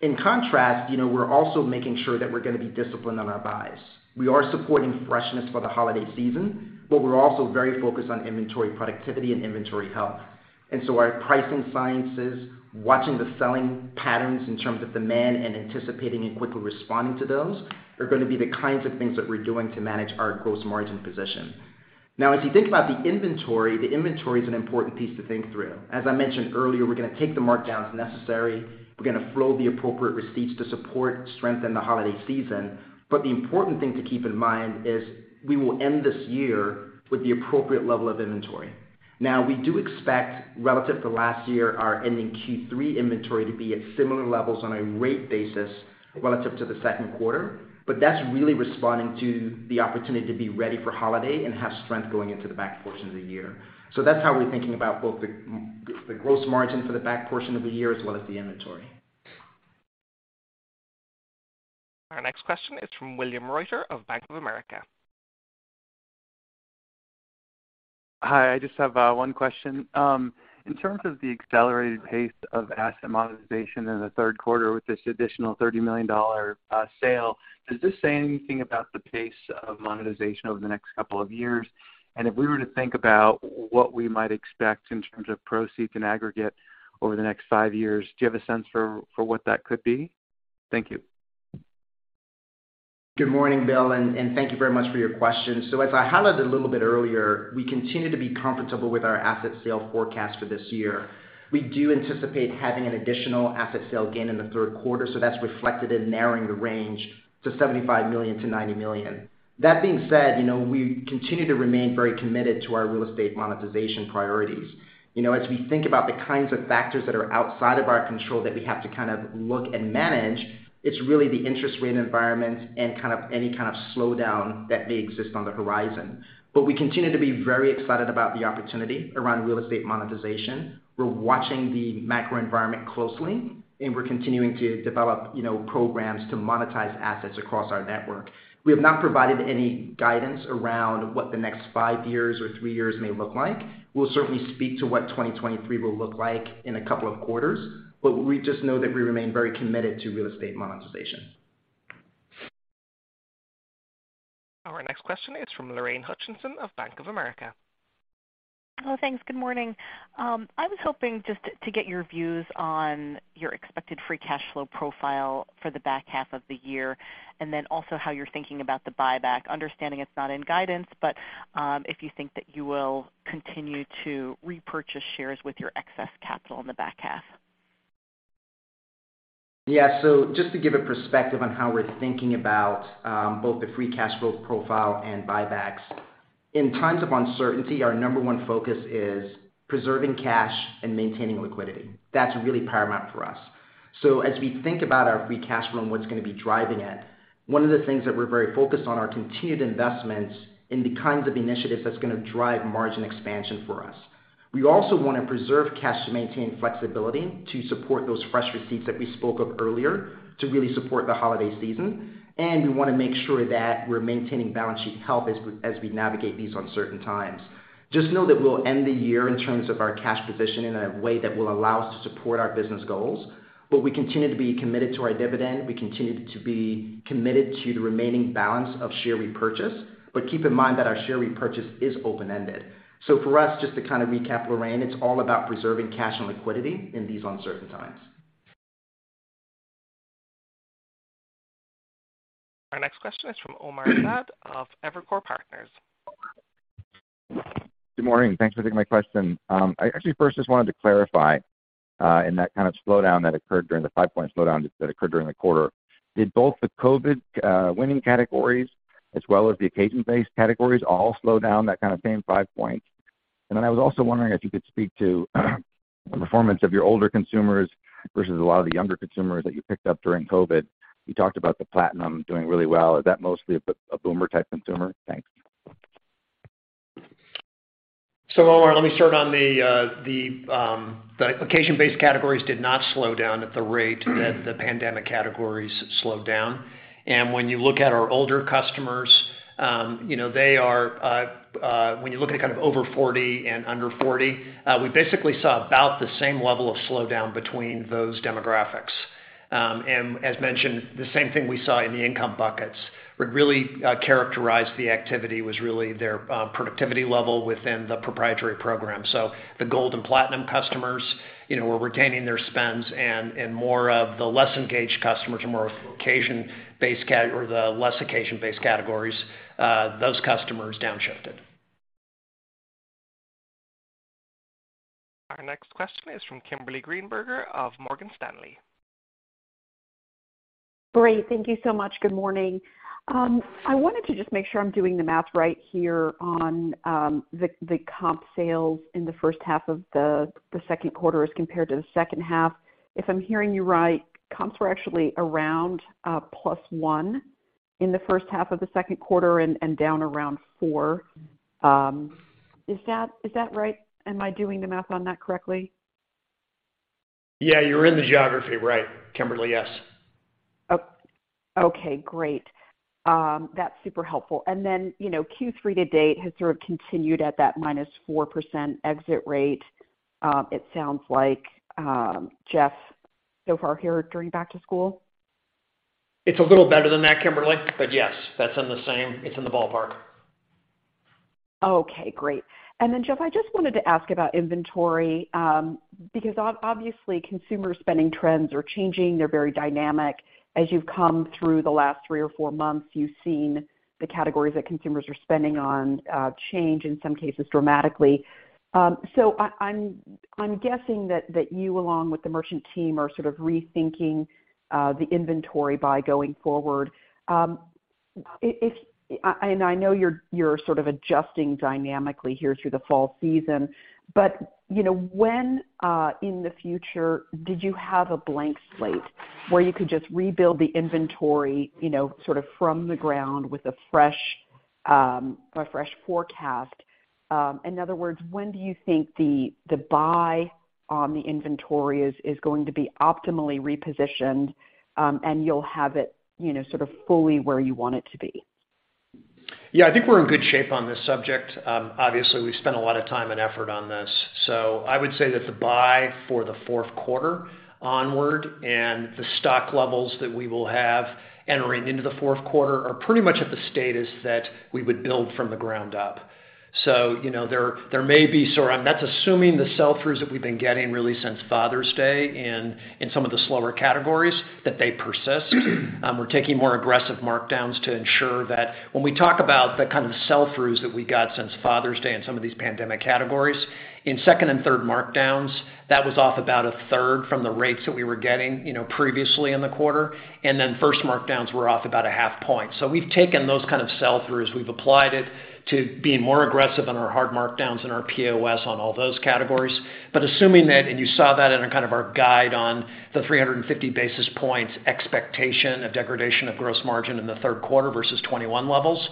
D: In contrast, you know, we're also making sure that we're gonna be disciplined on our buys. We are supporting freshness for the holiday season, but we're also very focused on inventory productivity and inventory health. Our pricing sciences, watching the selling patterns in terms of demand and anticipating and quickly responding to those are gonna be the kinds of things that we're doing to manage our gross margin position. Now, as you think about the inventory, the inventory is an important piece to think through. As I mentioned earlier, we're gonna take the markdowns necessary. We're gonna flow the appropriate receipts to support, strengthen the holiday season. The important thing to keep in mind is we will end this year with the appropriate level of inventory. Now, we do expect relative to last year, our ending Q3 inventory to be at similar levels on a rate basis relative to the second quarter, but that's really responding to the opportunity to be ready for holiday and have strength going into the back portion of the year. That's how we're thinking about both the gross margin for the back portion of the year as well as the inventory.
A: Our next question is from William Reuter of Bank of America.
G: Hi, I just have one question. In terms of the accelerated pace of asset monetization in the third quarter with this additional $30 million sale, does this say anything about the pace of monetization over the next couple of years? If we were to think about what we might expect in terms of proceeds in aggregate over the next five years, do you have a sense for what that could be? Thank you.
D: Good morning, Bill, and thank you very much for your question. As I highlighted a little bit earlier, we continue to be comfortable with our asset sale forecast for this year. We do anticipate having an additional asset sale gain in the third quarter, so that's reflected in narrowing the range to $75 million-$90 million. That being said, you know, we continue to remain very committed to our real estate monetization priorities. You know, as we think about the kinds of factors that are outside of our control that we have to kind of look and manage, it's really the interest rate environment and kind of any kind of slowdown that may exist on the horizon. We continue to be very excited about the opportunity around real estate monetization. We're watching the macro environment closely, and we're continuing to develop, you know, programs to monetize assets across our network. We have not provided any guidance around what the next five years or three years may look like. We'll certainly speak to what 2023 will look like in a couple of quarters, but we just know that we remain very committed to real estate monetization.
A: Our next question is from Lorraine Hutchinson of Bank of America.
H: Hello, thanks. Good morning. I was hoping just to get your views on your expected free cash flow profile for the back half of the year and then also how you're thinking about the buyback. Understanding it's not in guidance, but, if you think that you will continue to repurchase shares with your excess capital in the back half.
D: Yeah. Just to give a perspective on how we're thinking about both the free cash flow profile and buybacks. In times of uncertainty, our number one focus is preserving cash and maintaining liquidity. That's really paramount for us. As we think about our free cash flow and what's gonna be driving it, one of the things that we're very focused on are continued investments in the kinds of initiatives that's gonna drive margin expansion for us. We also wanna preserve cash to maintain flexibility to support those fresh receipts that we spoke of earlier, to really support the holiday season. We wanna make sure that we're maintaining balance sheet health as we navigate these uncertain times. Just know that we'll end the year in terms of our cash position in a way that will allow us to support our business goals, but we continue to be committed to our dividend. We continue to be committed to the remaining balance of share repurchase, but keep in mind that our share repurchase is open-ended. For us, just to kind of recap, Lorraine, it's all about preserving cash and liquidity in these uncertain times.
A: Our next question is from Omar Saad of Evercore Partners.
I: Good morning. Thanks for taking my question. I actually first just wanted to clarify, in that kind of slowdown that occurred during the five-point slowdown that occurred during the quarter, did both the COVID winning categories as well as the occasion-based categories all slow down that kind of same five points? I was also wondering if you could speak to the performance of your older consumers versus a lot of the younger consumers that you picked up during COVID. You talked about the platinum doing really well. Is that mostly a boomer type consumer? Thanks.
C: Omar, let me start on the occasion-based categories did not slow down at the rate that the pandemic categories slowed down. When you look at our older customers, you know, when you look at kind of over 40 and under 40, we basically saw about the same level of slowdown between those demographics. As mentioned, the same thing we saw in the income buckets. What really characterized the activity was really their productivity level within the proprietary program. The gold and platinum customers, you know, were retaining their spends and more of the less engaged customers or the less occasion-based categories, those customers downshifted.
A: Our next question is from Kimberly Greenberger of Morgan Stanley.
J: Great. Thank you so much. Good morning. I wanted to just make sure I'm doing the math right here on the comp sales in the first half of the second quarter as compared to the second half. If I'm hearing you right, comps were actually around +1% in the first half of the second quarter and down around 4%. Is that right? Am I doing the math on that correctly?
C: Yeah, you're in the geography right, Kimberly. Yes.
J: Okay, great. That's super helpful. You know, Q3 to date has sort of continued at that -4% exit rate, it sounds like, Jeff, so far here during back to school.
C: It's a little better than that, Kimberly, but yes, it's in the ballpark.
J: Okay, great. Jeff, I just wanted to ask about inventory, because obviously consumer spending trends are changing. They're very dynamic. As you've come through the last three or four months, you've seen the categories that consumers are spending on, change, in some cases dramatically. I'm guessing that you along with the merchant team are sort of rethinking the inventory buying going forward. I know you're sort of adjusting dynamically here through the fall season, but you know, when in the future did you have a blank slate where you could just rebuild the inventory, you know, sort of from the ground with a fresh forecast? In other words, when do you think the buy on the inventory is going to be optimally repositioned, and you'll have it, you know, sort of fully where you want it to be?
C: Yeah. I think we're in good shape on this subject. Obviously, we've spent a lot of time and effort on this. I would say that the buy for the fourth quarter onward and the stock levels that we will have entering into the fourth quarter are pretty much at the status that we would build from the ground up. You know, there may be, and that's assuming the sell-throughs that we've been getting really since Father's Day in some of the slower categories that they persist. We're taking more aggressive markdowns to ensure that when we talk about the kind of sell-throughs that we got since Father's Day in some of these pandemic categories, in second and third markdowns, that was off about a third from the rates that we were getting, you know, previously in the quarter. First markdowns were off about a half point. We've taken those kind of sell-throughs, we've applied it to being more aggressive on our hard markdowns and our POS on all those categories. Assuming that, and you saw that in a kind of our guide on the 350 basis points expectation of degradation of gross margin in the third quarter versus 2021 levels.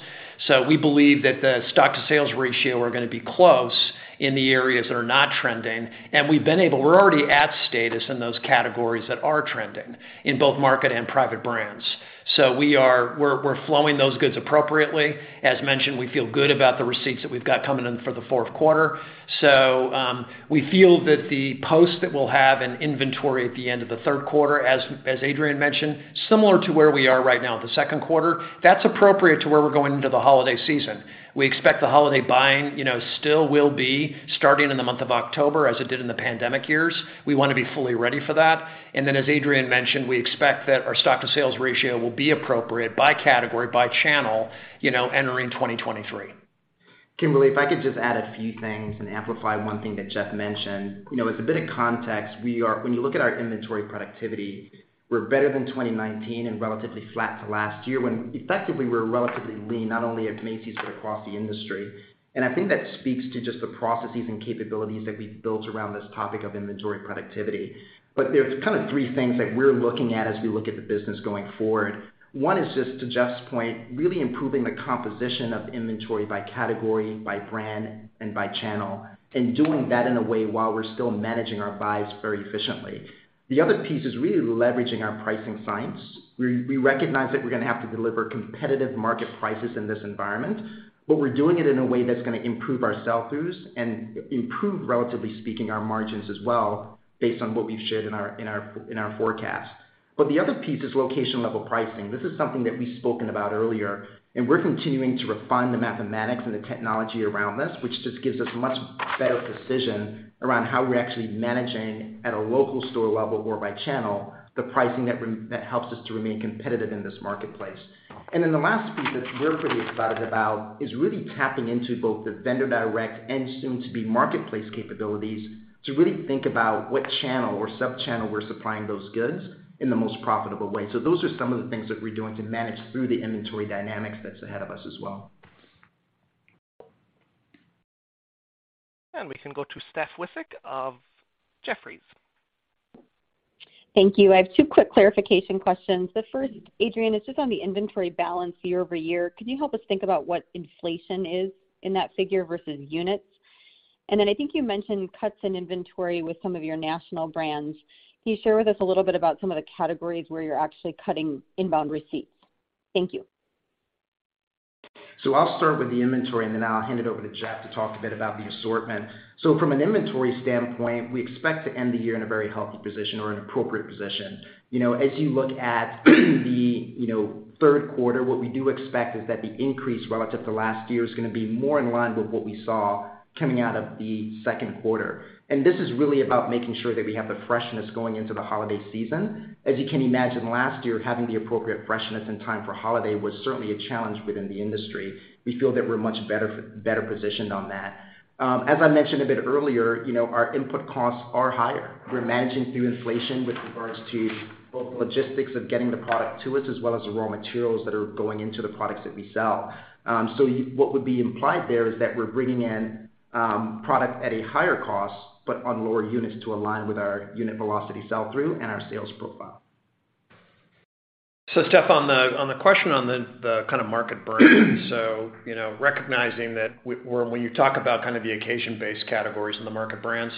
C: We believe that the stock to sales ratio are gonna be close in the areas that are not trending. We're already at status in those categories that are trending in both market and private brands. We're flowing those goods appropriately. As mentioned, we feel good about the receipts that we've got coming in for the fourth quarter. We feel that the position that we'll have in inventory at the end of the third quarter, as Adrian mentioned, similar to where we are right now in the second quarter. That's appropriate to where we're going into the holiday season. We expect the holiday buying, you know, still will be starting in the month of October as it did in the pandemic years. We wanna be fully ready for that. As Adrian mentioned, we expect that our stock to sales ratio will be appropriate by category, by channel, you know, entering 2023.
D: Kimberly, if I could just add a few things and amplify one thing that Jeff mentioned. You know, as a bit of context, when you look at our inventory productivity, we're better than 2019 and relatively flat to last year when effectively we're relatively lean, not only at Macy's, but across the industry. I think that speaks to just the processes and capabilities that we've built around this topic of inventory productivity. There's kind of three things that we're looking at as we look at the business going forward. One is just to Jeff's point, really improving the composition of inventory by category, by brand, and by channel, and doing that in a way while we're still managing our buys very efficiently. The other piece is really leveraging our pricing science. We recognize that we're gonna have to deliver competitive market prices in this environment, but we're doing it in a way that's gonna improve our sell-throughs and improve, relatively speaking, our margins as well, based on what we've shared in our forecast. The other piece is location level pricing. This is something that we've spoken about earlier, and we're continuing to refine the mathematics and the technology around this, which just gives us much better precision around how we're actually managing at a local store level or by channel, the pricing that helps us to remain competitive in this marketplace. Then the last piece that we're pretty excited about is really tapping into both the vendor direct and soon to be marketplace capabilities to really think about what channel or sub-channel we're supplying those goods in the most profitable way. Those are some of the things that we're doing to manage through the inventory dynamics that's ahead of us as well.
A: We can go to Steph Wissink of Jefferies.
K: Thank you. I have two quick clarification questions. The first, Adrian, is just on the inventory balance year-over-year. Could you help us think about what inflation is in that figure versus units? I think you mentioned cuts in inventory with some of your national brands. Can you share with us a little bit about some of the categories where you're actually cutting inbound receipts? Thank you.
D: I'll start with the inventory, and then I'll hand it over to Jeff to talk a bit about the assortment. From an inventory standpoint, we expect to end the year in a very healthy position or an appropriate position. You know, as you look at the, you know, third quarter, what we do expect is that the increase relative to last year is gonna be more in line with what we saw coming out of the second quarter. This is really about making sure that we have the freshness going into the holiday season. As you can imagine, last year, having the appropriate freshness and time for holiday was certainly a challenge within the industry. We feel that we're much better positioned on that. As I mentioned a bit earlier, you know, our input costs are higher. We're managing through inflation with regards to both logistics of getting the product to us as well as the raw materials that are going into the products that we sell. What would be implied there is that we're bringing in product at a higher cost, but on lower units to align with our unit velocity sell-through and our sales profile.
C: Steph, on the question of the kind of market brands. You know, recognizing that when you talk about kind of the occasion-based categories in the market brands,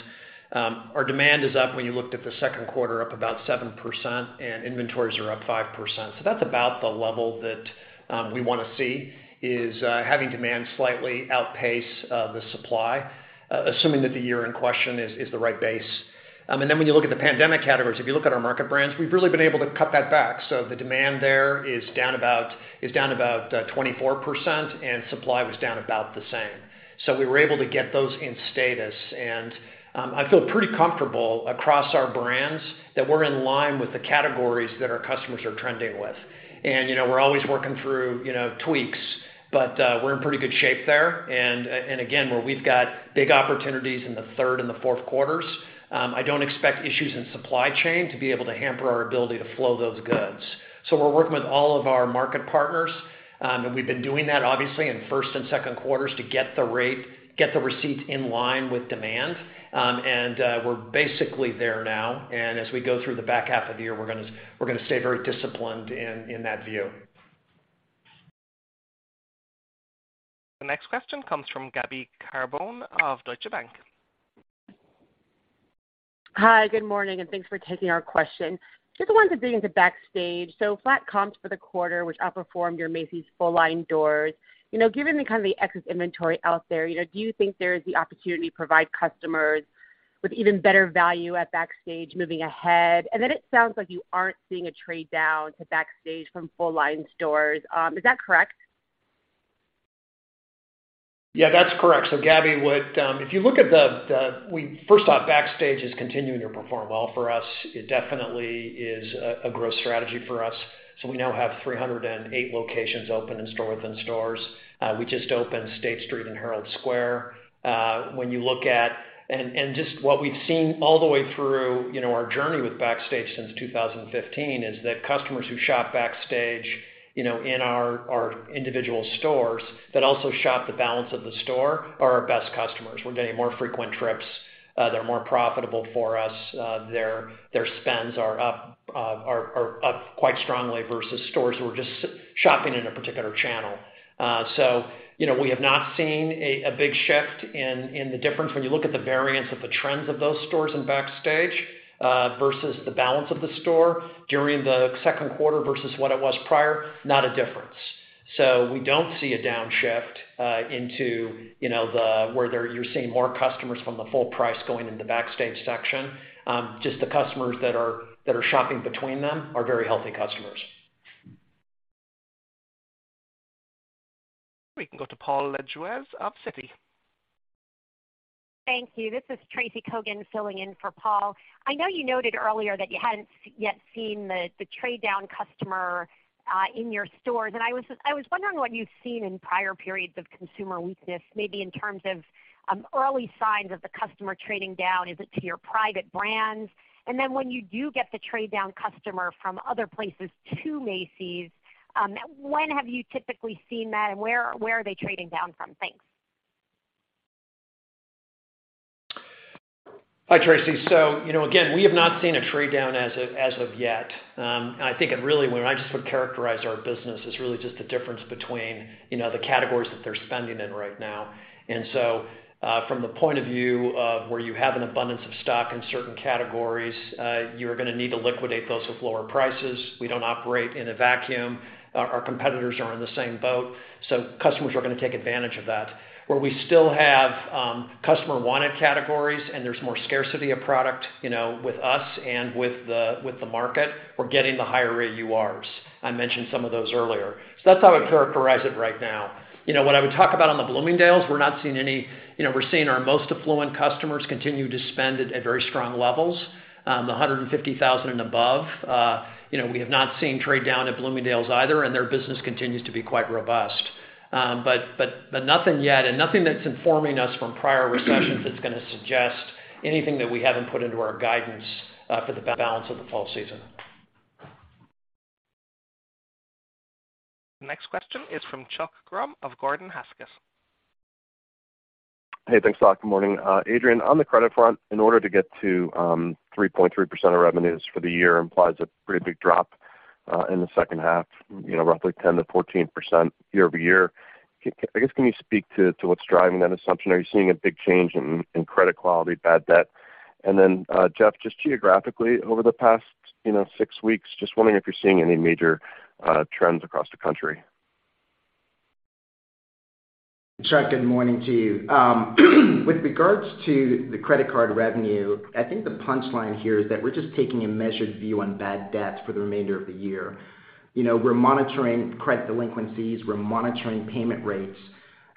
C: our demand is up, when you looked at the second quarter, up about 7% and inventories are up 5%. That's about the level that we wanna see, having demand slightly outpace the supply, assuming that the year in question is the right base. When you look at the pandemic categories, if you look at our market brands, we've really been able to cut that back. The demand there is down about 24%, and supply was down about the same. We were able to get those in balance. I feel pretty comfortable across our brands that we're in line with the categories that our customers are trending with. You know, we're always working through, you know, tweaks, but we're in pretty good shape there. And again, where we've got big opportunities in the third and the fourth quarters, I don't expect issues in supply chain to be able to hamper our ability to flow those goods. We're working with all of our market partners, and we've been doing that obviously in first and second quarters to get the receipts in line with demand. We're basically there now, and as we go through the back half of the year, we're gonna stay very disciplined in that view.
A: The next question comes from Gabby Carbone of Deutsche Bank.
L: Hi, good morning, and thanks for taking our question. Just wanted to dig into Backstage. Flat comps for the quarter, which outperformed your Macy's full-line doors. You know, given the kind of excess inventory out there, you know, do you think there is the opportunity to provide customers with even better value at Backstage moving ahead? It sounds like you aren't seeing a trade down to Backstage from full-line stores. Is that correct?
C: Yeah, that's correct. Gabby, what if you look at the first off, Backstage is continuing to perform well for us. It definitely is a growth strategy for us. We now have 308 locations open in store within stores. We just opened State Street and Herald Square. When you look at just what we've seen all the way through, you know, our journey with Backstage since 2015 is that customers who shop Backstage, you know, in our individual stores that also shop the balance of the store are our best customers. We're getting more frequent trips. They're more profitable for us. Their spends are up quite strongly versus stores who are just shopping in a particular channel. You know, we have not seen a big shift in the difference. When you look at the variance of the trends of those stores in Backstage versus the balance of the store during the second quarter versus what it was prior, not a difference. We don't see a downshift into where you're seeing more customers from the full price going in the Backstage section. Just the customers that are shopping between them are very healthy customers.
A: We can go to Paul Lejuez of Citi.
M: Thank you. This is Tracy Kogan filling in for Paul. I know you noted earlier that you hadn't yet seen the trade down customer in your stores. I was wondering what you've seen in prior periods of consumer weakness, maybe in terms of early signs of the customer trading down. Is it to your private brands? When you do get the trade down customer from other places to Macy's, when have you typically seen that, and where are they trading down from? Thanks.
C: Hi, Tracy. You know, again, we have not seen a trade down as of yet. I think it really when I just would characterize our business is really just the difference between, you know, the categories that they're spending in right now. From the point of view of where you have an abundance of stock in certain categories, you're gonna need to liquidate those with lower prices. We don't operate in a vacuum. Our competitors are in the same boat, so customers are gonna take advantage of that. Where we still have customer wanted categories and there's more scarcity of product, you know, with us and with the market, we're getting the higher AURs. I mentioned some of those earlier. That's how I'd characterize it right now. You know, when I would talk about on the Bloomingdale's, we're not seeing any. You know, we're seeing our most affluent customers continue to spend at very strong levels. The 150,000 and above, you know, we have not seen trade down at Bloomingdale's either, and their business continues to be quite robust. But nothing yet and nothing that's informing us from prior recessions that's gonna suggest anything that we haven't put into our guidance for the balance of the fall season.
A: Next question is from Chuck Grom of Gordon Haskett.
N: Hey, thanks a lot. Good morning. Adrian, on the credit front, in order to get to 3.3% of revenues for the year implies a pretty big drop in the second half, you know, roughly 10%-14% year-over-year. I guess, can you speak to what's driving that assumption? Are you seeing a big change in credit quality, bad debt? Jeff, just geographically over the past, you know, six weeks, just wondering if you're seeing any major trends across the country.
D: Chuck, good morning to you. With regards to the credit card revenue, I think the punchline here is that we're just taking a measured view on bad debts for the remainder of the year. You know, we're monitoring credit delinquencies, we're monitoring payment rates.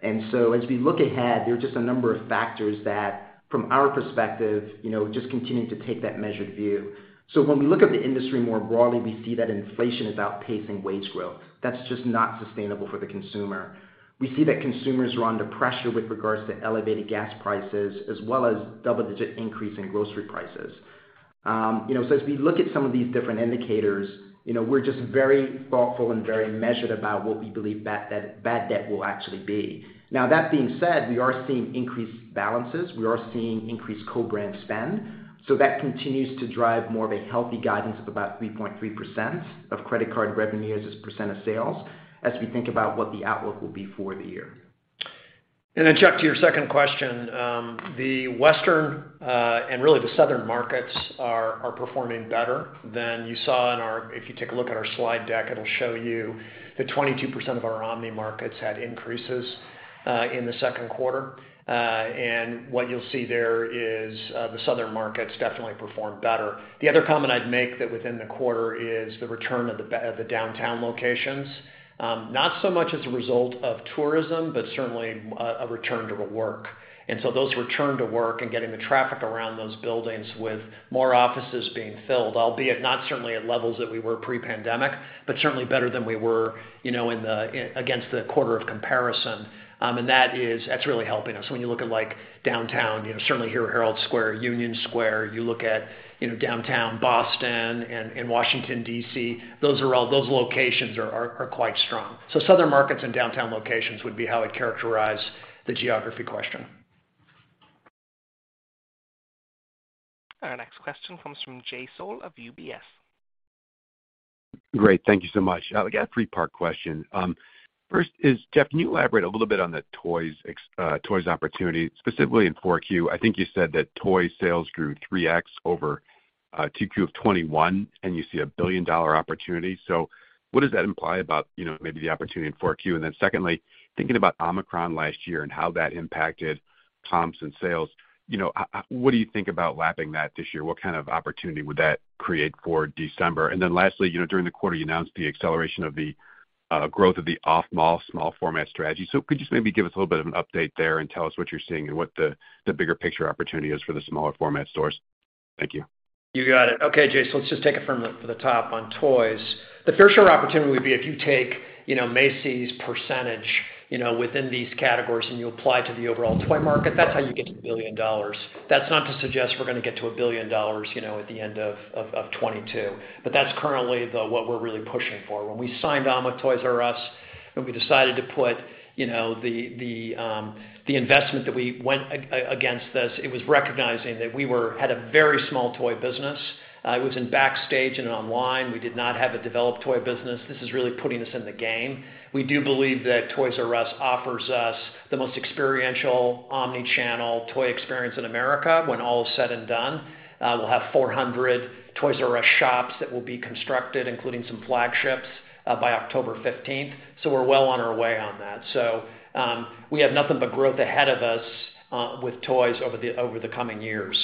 D: As we look ahead, there are just a number of factors that from our perspective, you know, just continue to take that measured view. When we look at the industry more broadly, we see that inflation is outpacing wage growth. That's just not sustainable for the consumer. We see that consumers are under pressure with regards to elevated gas prices as well as double-digit increase in grocery prices. You know, as we look at some of these different indicators, you know, we're just very thoughtful and very measured about what we believe that bad debt will actually be. Now that being said, we are seeing increased balances. We are seeing increased co-brand spend. That continues to drive more of a healthy guidance of about 3.3% of credit card revenue as a percent of sales as we think about what the outlook will be for the year.
C: Chuck, to your second question, the Western and really the Southern markets are performing better than you saw if you take a look at our slide deck. It'll show you that 22% of our omni markets had increases in the second quarter. What you'll see there is the Southern markets definitely performed better. The other comment I'd make that within the quarter is the return of the downtown locations, not so much as a result of tourism, but certainly a return to work. Those return to work and getting the traffic around those buildings with more offices being filled, albeit not certainly at levels that we were pre-pandemic, but certainly better than we were, you know, against the quarter of comparison. That's really helping us. When you look at like downtown, you know, certainly here at Herald Square, Union Square, you look at, you know, downtown Boston and Washington, D.C., those locations are quite strong. Southern markets and downtown locations would be how I'd characterize the geography question.
A: Our next question comes from Jay Sole of UBS.
O: Great. Thank you so much. We got a three-part question. First is, Jeff, can you elaborate a little bit on the toys opportunity, specifically in 4Q? I think you said that toy sales grew 3x over 2Q of 2021, and you see a billion-dollar opportunity. What does that imply about, you know, maybe the opportunity in 4Q? Secondly, thinking about Omicron last year and how that impacted comps and sales, you know, what do you think about lapping that this year? What kind of opportunity would that create for December? Lastly, you know, during the quarter, you announced the acceleration of the growth of the off-mall small format strategy. Could you just maybe give us a little bit of an update there and tell us what you're seeing and what the bigger picture opportunity is for the smaller format stores? Thank you.
C: You got it. Okay, Jay, let's just take it from the top on toys. The fair share opportunity would be if you take, you know, Macy's percentage, you know, within these categories, and you apply to the overall toy market, that's how you get to $1 billion. That's not to suggest we're gonna get to $1 billion, you know, at the end of 2022, but that's currently what we're really pushing for. When we signed on with Toys"R"Us, and we decided to put, you know, the investment that we went against this, it was recognizing that we had a very small toy business. It was in Backstage and in online. We did not have a developed toy business. This is really putting us in the game. We do believe that Toys"R"Us offers us the most experiential omni-channel toy experience in America when all is said and done. We'll have 400 Toys"R"Us shops that will be constructed, including some flagships, by October 15th. We're well on our way on that. We have nothing but growth ahead of us with toys over the coming years.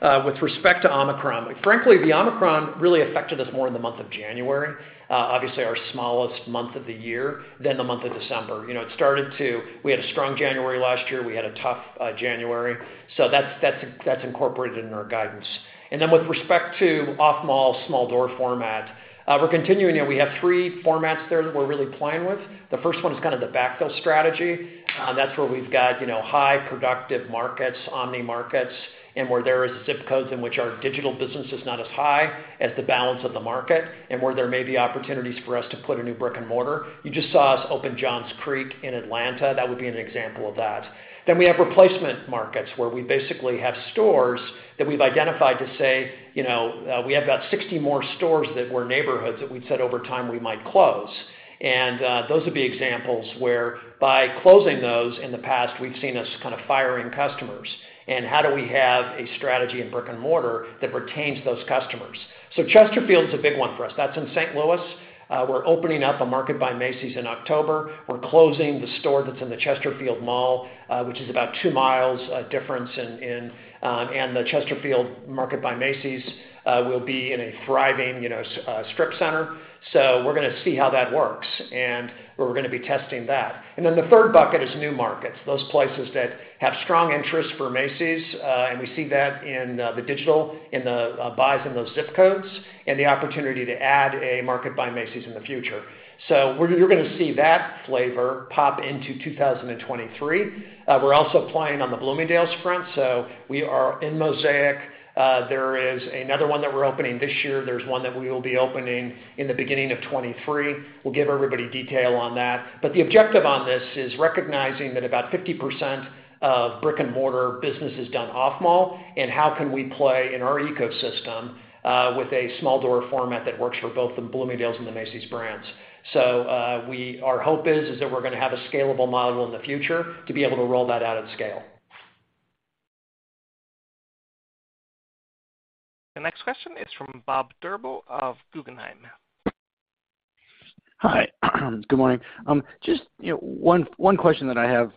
C: With respect to Omicron, frankly, the Omicron really affected us more in the month of January, obviously our smallest month of the year than the month of December. You know, we had a strong January last year. We had a tough January. That's incorporated in our guidance. With respect to off-mall small store format, we're continuing there. We have three formats there that we're really playing with. The first one is kind of the backfill strategy. That's where we've got, you know, high productive markets, omni markets, and where there is ZIP codes in which our digital business is not as high as the balance of the market, and where there may be opportunities for us to put a new brick-and-mortar. You just saw us open Johns Creek in Atlanta. That would be an example of that. Then we have replacement markets where we basically have stores that we've identified to say, you know, we have about 60 more stores that were neighborhoods that we'd said over time we might close. Those would be examples where by closing those in the past, we've seen us kind of firing customers. How do we have a strategy in brick-and-mortar that retains those customers? Chesterfield's a big one for us. That's in St. Louis. We're opening up a Market by Macy's in October. We're closing the store that's in the Chesterfield Mall, which is about 2 mi difference in. The Chesterfield Market by Macy's will be in a thriving, you know, strip center. We're gonna see how that works, and we're gonna be testing that. The third bucket is new markets, those places that have strong interest for Macy's, and we see that in the digital, in the buys in those ZIP codes and the opportunity to add a Market by Macy's in the future. You're gonna see that flavor pop into 2023. We're also playing on the Bloomingdale's front. We are in Mosaic. There is another one that we're opening this year. There's one that we will be opening in the beginning of 2023. We'll give everybody detail on that. The objective on this is recognizing that about 50% of brick-and-mortar business is done off-mall, and how can we play in our ecosystem with a small door format that works for both the Bloomingdale's and the Macy's brands. Our hope is that we're gonna have a scalable model in the future to be able to roll that out at scale.
A: The next question is from Bob Drbul of Guggenheim.
P: Hi. Good morning. Just, you know, one question that I have,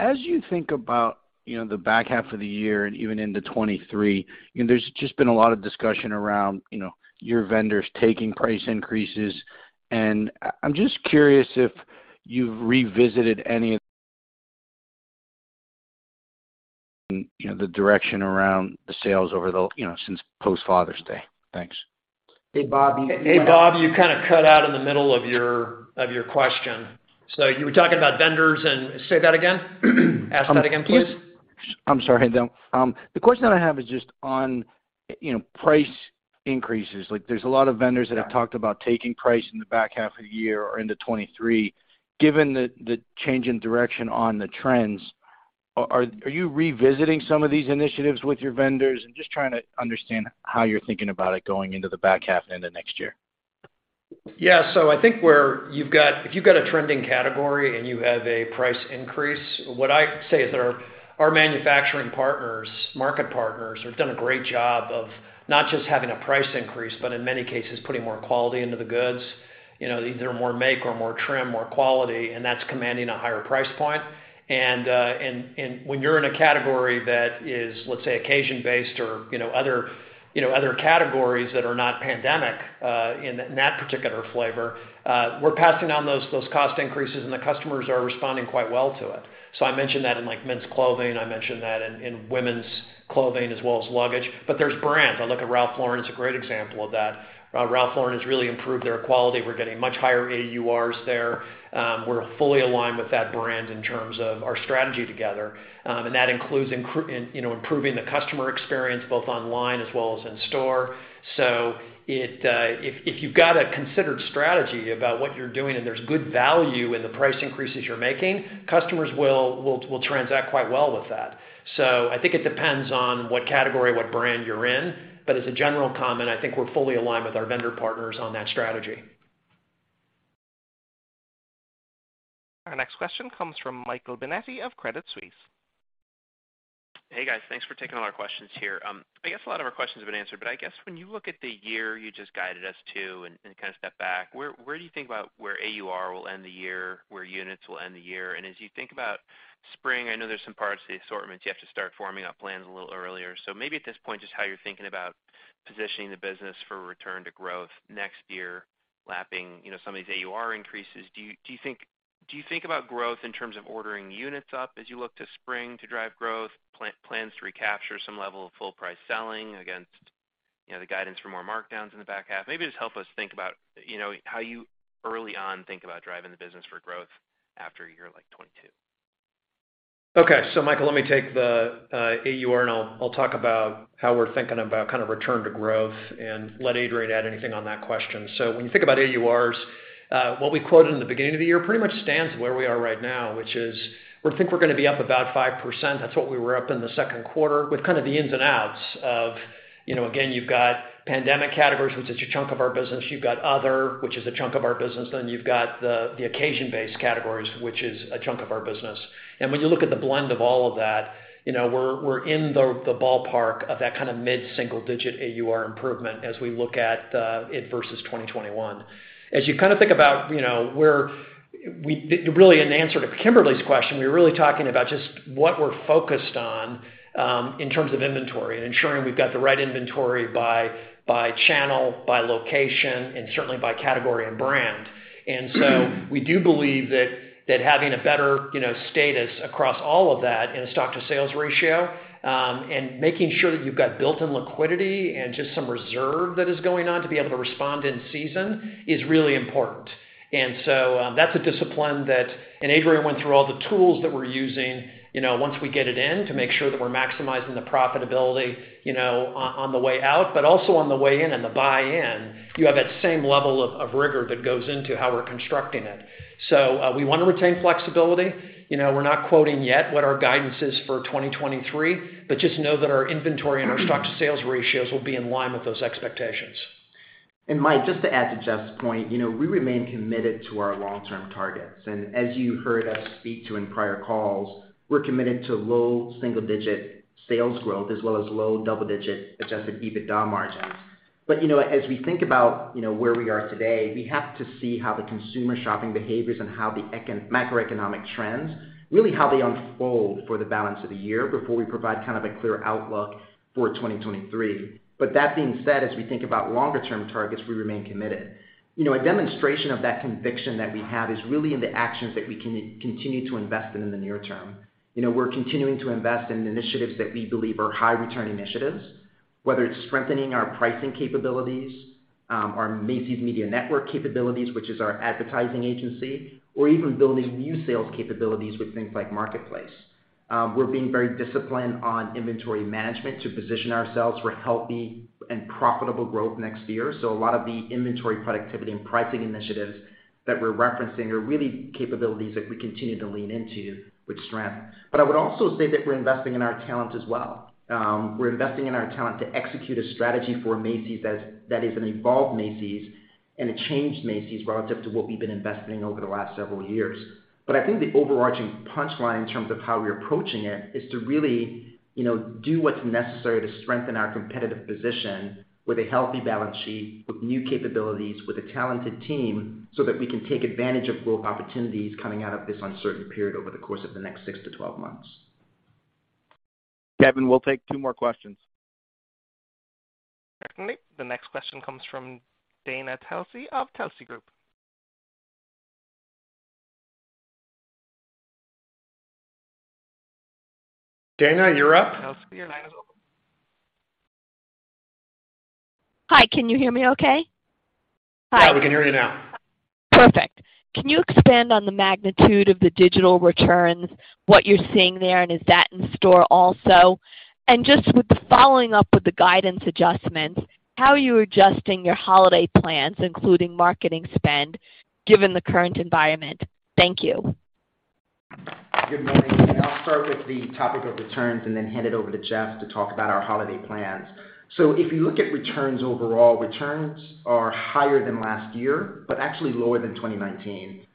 P: as you think about, you know, the back half of the year and even into 2023, you know, there's just been a lot of discussion around, you know, your vendors taking price increases. I'm just curious if you've revisited any of the, you know, the direction around the sales over the, you know, since post Father's Day. Thanks.
D: Hey, Bob.
C: Hey, Bob, you kind of cut out in the middle of your question. You were talking about vendors and say that again. Ask that again, please.
P: I'm sorry. The question I have is just on, you know, price increases. Like, there's a lot of vendors that have talked about taking price in the back half of the year or into 2023. Given the change in direction on the trends, are you revisiting some of these initiatives with your vendors? I'm just trying to understand how you're thinking about it going into the back half and the next year.
C: Yeah. I think if you've got a trending category and you have a price increase, what I say is our manufacturing partners, market partners have done a great job of not just having a price increase, but in many cases, putting more quality into the goods. You know, either more make or more trim, more quality, and that's commanding a higher price point. When you're in a category that is, let's say, occasion-based or, you know, other categories that are not pandemic, in that particular flavor, we're passing down those cost increases, and the customers are responding quite well to it. I mentioned that in, like, men's clothing. I mentioned that in women's clothing as well as luggage. There's brands. I look at Ralph Lauren as a great example of that. Ralph Lauren has really improved their quality. We're getting much higher AURs there. We're fully aligned with that brand in terms of our strategy together. That includes, you know, improving the customer experience both online as well as in store. If you've got a considered strategy about what you're doing and there's good value in the price increases you're making, customers will transact quite well with that. I think it depends on what category, what brand you're in. As a general comment, I think we're fully aligned with our vendor partners on that strategy.
A: Our next question comes from Michael Binetti of Credit Suisse.
Q: Hey, guys. Thanks for taking all our questions here. I guess a lot of our questions have been answered, but I guess when you look at the year you just guided us to and kind of step back, where do you think about where AUR will end the year, where units will end the year? As you think about spring, I know there's some parts of the assortments you have to start forming up plans a little earlier. Maybe at this point, just how you're thinking about positioning the business for return to growth next year, lapping, you know, some of these AUR increases. Do you think about growth in terms of ordering units up as you look to spring to drive growth, plans to recapture some level of full price selling against, you know, the guidance for more markdowns in the back half? Maybe just help us think about, you know, how you early on think about driving the business for growth after a year like 2022.
C: Okay. Michael, let me take the AUR, and I'll talk about how we're thinking about kind of return to growth and let Adrian add anything on that question. When you think about AURs, what we quoted in the beginning of the year pretty much stands where we are right now, which is we think we're gonna be up about 5%. That's what we were up in the second quarter with kind of the ins and outs of, you know, again, you've got pandemic categories, which is a chunk of our business. You've got other, which is a chunk of our business. Then you've got the occasion-based categories, which is a chunk of our business. When you look at the blend of all of that, you know, we're in the ballpark of that kinda mid-single digit AUR improvement as we look at it versus 2021. As you kinda think about, you know, really in answer to Kimberly's question, we're really talking about just what we're focused on in terms of inventory and ensuring we've got the right inventory by channel, by location, and certainly by category and brand. We do believe that having a better, you know, status across all of that in a stock to sales ratio and making sure that you've got built-in liquidity and just some reserve that is going to be able to respond in season is really important. That's a discipline that Adrian went through all the tools that we're using, you know, once we get it in to make sure that we're maximizing the profitability, you know, on the way out, but also on the way in and the buy-in, you have that same level of rigor that goes into how we're constructing it. We wanna retain flexibility. You know, we're not quoting yet what our guidance is for 2023, but just know that our inventory and our stock to sales ratios will be in line with those expectations.
D: Mike, just to add to Jeff's point, you know, we remain committed to our long-term targets. As you heard us speak to in prior calls, we're committed to low single digit sales growth as well as low double-digit adjusted EBITDA margins. You know, as we think about, you know, where we are today, we have to see how the consumer shopping behaviors and how the macroeconomic trends, really how they unfold for the balance of the year before we provide kind of a clear outlook for 2023. That being said, as we think about longer term targets, we remain committed. You know, a demonstration of that conviction that we have is really in the actions that we continue to invest in in the near term. You know, we're continuing to invest in initiatives that we believe are high return initiatives, whether it's strengthening our pricing capabilities, our Macy's Media Network capabilities, which is our advertising agency, or even building new sales capabilities with things like Macy's Marketplace. We're being very disciplined on inventory management to position ourselves for healthy and profitable growth next year. A lot of the inventory productivity and pricing initiatives that we're referencing are really capabilities that we continue to lean into with strength. I would also say that we're investing in our talent as well. We're investing in our talent to execute a strategy for Macy's that is an evolved Macy's and a changed Macy's relative to what we've been investing over the last several years. I think the overarching punchline in terms of how we're approaching it is to really, you know, do what's necessary to strengthen our competitive position with a healthy balance sheet, with new capabilities, with a talented team, so that we can take advantage of growth opportunities coming out of this uncertain period over the course of the next six to 12 months.
C: Kevin, we'll take two more questions.
A: Thank you. The next question comes from Dana Telsey of Telsey Group.
C: Dana, you're up.
A: Telsey, your line is open.
R: Hi, can you hear me okay? Hi.
C: Yeah, we can hear you now.
R: Perfect. Can you expand on the magnitude of the digital returns, what you're seeing there, and is that in store also? Just with the following up with the guidance adjustments, how are you adjusting your holiday plans, including marketing spend, given the current environment? Thank you.
D: Good morning. I'll start with the topic of returns and then hand it over to Jeff to talk about our holiday plans. If you look at returns overall, returns are higher than last year, but actually lower than 2019.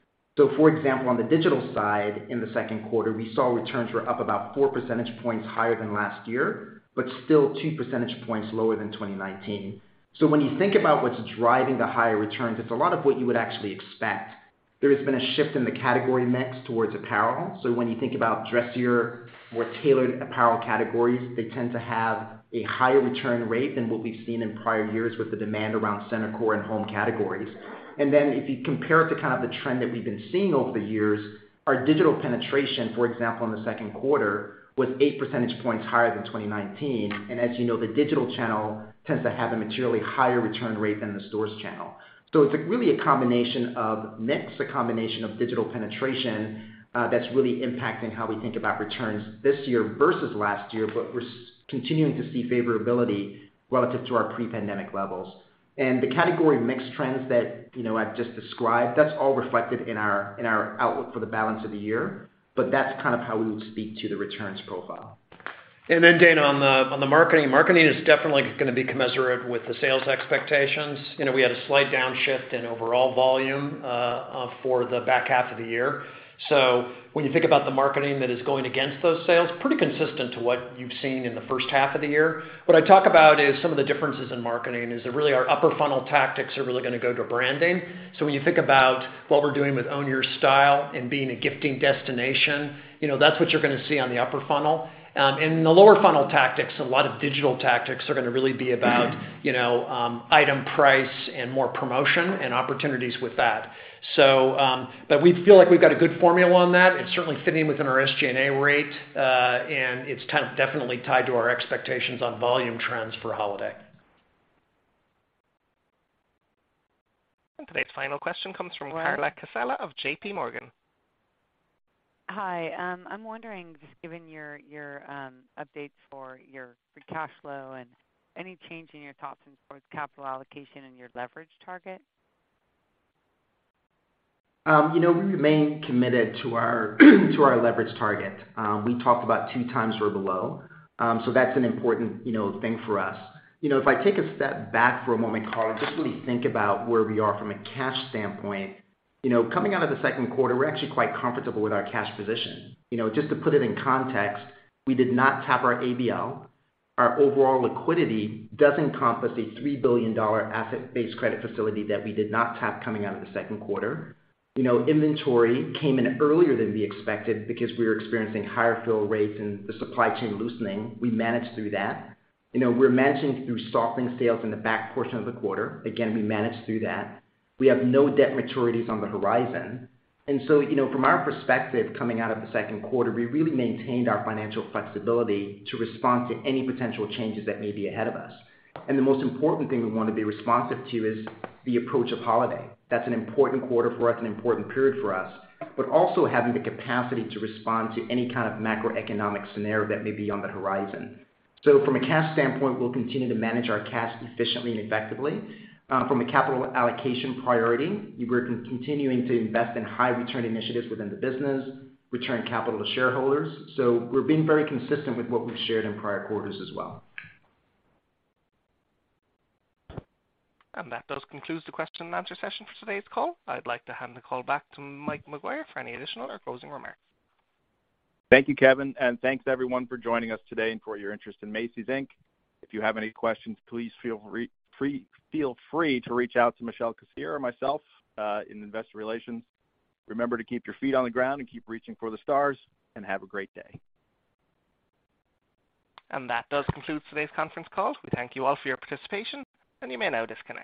D: For example, on the digital side in the second quarter, we saw returns were up about 4 percentage points higher than last year, but still 2 percentage points lower than 2019. When you think about what's driving the higher returns, it's a lot of what you would actually expect. There has been a shift in the category mix towards apparel. When you think about dressier, more tailored apparel categories, they tend to have a higher return rate than what we've seen in prior years with the demand around center core and home categories. If you compare it to kind of the trend that we've been seeing over the years, our digital penetration, for example, in the second quarter, was 8 percentage points higher than 2019. As you know, the digital channel tends to have a materially higher return rate than the stores channel. It's really a combination of mix, a combination of digital penetration, that's really impacting how we think about returns this year versus last year, but we're continuing to see favorability relative to our pre-pandemic levels. The category mix trends that, you know, I've just described, that's all reflected in our outlook for the balance of the year, but that's kind of how we would speak to the returns profile.
C: Dana, on the marketing is definitely gonna be commensurate with the sales expectations. You know, we had a slight downshift in overall volume for the back half of the year. When you think about the marketing that is going against those sales, pretty consistent to what you've seen in the first half of the year. What I talk about is some of the differences in marketing is that really our upper funnel tactics are really gonna go to branding. When you think about what we're doing with Own Your Style and being a gifting destination, you know, that's what you're gonna see on the upper funnel. The lower funnel tactics, a lot of digital tactics are gonna really be about, you know, item price and more promotion and opportunities with that. We feel like we've got a good formula on that. It's certainly fitting within our SG&A rate, and it's definitely tied to our expectations on volume trends for holiday.
A: Today's final question comes from Carla Casella of JPMorgan.
S: Hi, I'm wondering, just given your updates for your free cash flow and any change in your thoughts towards capital allocation and your leverage target?
D: You know, we remain committed to our leverage target. We talked about 2 times or below. That's an important, you know, thing for us. You know, if I take a step back for a moment, Carla, just really think about where we are from a cash standpoint. You know, coming out of the second quarter, we're actually quite comfortable with our cash position. You know, just to put it in context, we did not tap our ABL. Our overall liquidity does encompass a $3 billion asset-based credit facility that we did not tap coming out of the second quarter. You know, inventory came in earlier than we expected because we were experiencing higher fill rates and the supply chain loosening. We managed through that. You know, we're managing through softening sales in the back portion of the quarter. Again, we managed through that. We have no debt maturities on the horizon. You know, from our perspective, coming out of the second quarter, we really maintained our financial flexibility to respond to any potential changes that may be ahead of us. The most important thing we wanna be responsive to is the approach of holiday. That's an important quarter for us, an important period for us. Also having the capacity to respond to any kind of macroeconomic scenario that may be on the horizon. From a cash standpoint, we'll continue to manage our cash efficiently and effectively. From a capital allocation priority, we're continuing to invest in high return initiatives within the business, return capital to shareholders. We're being very consistent with what we've shared in prior quarters as well.
A: That does conclude the question and answer session for today's call. I'd like to hand the call back to Mike McGuire for any additional or closing remarks.
B: Thank you, Kevin. Thanks everyone for joining us today and for your interest in Macy's, Inc. If you have any questions, please feel free to reach out to Michelle Cassiere or myself in Investor Relations. Remember to keep your feet on the ground and keep reaching for the stars, and have a great day.
A: That does conclude today's conference call. We thank you all for your participation, and you may now disconnect.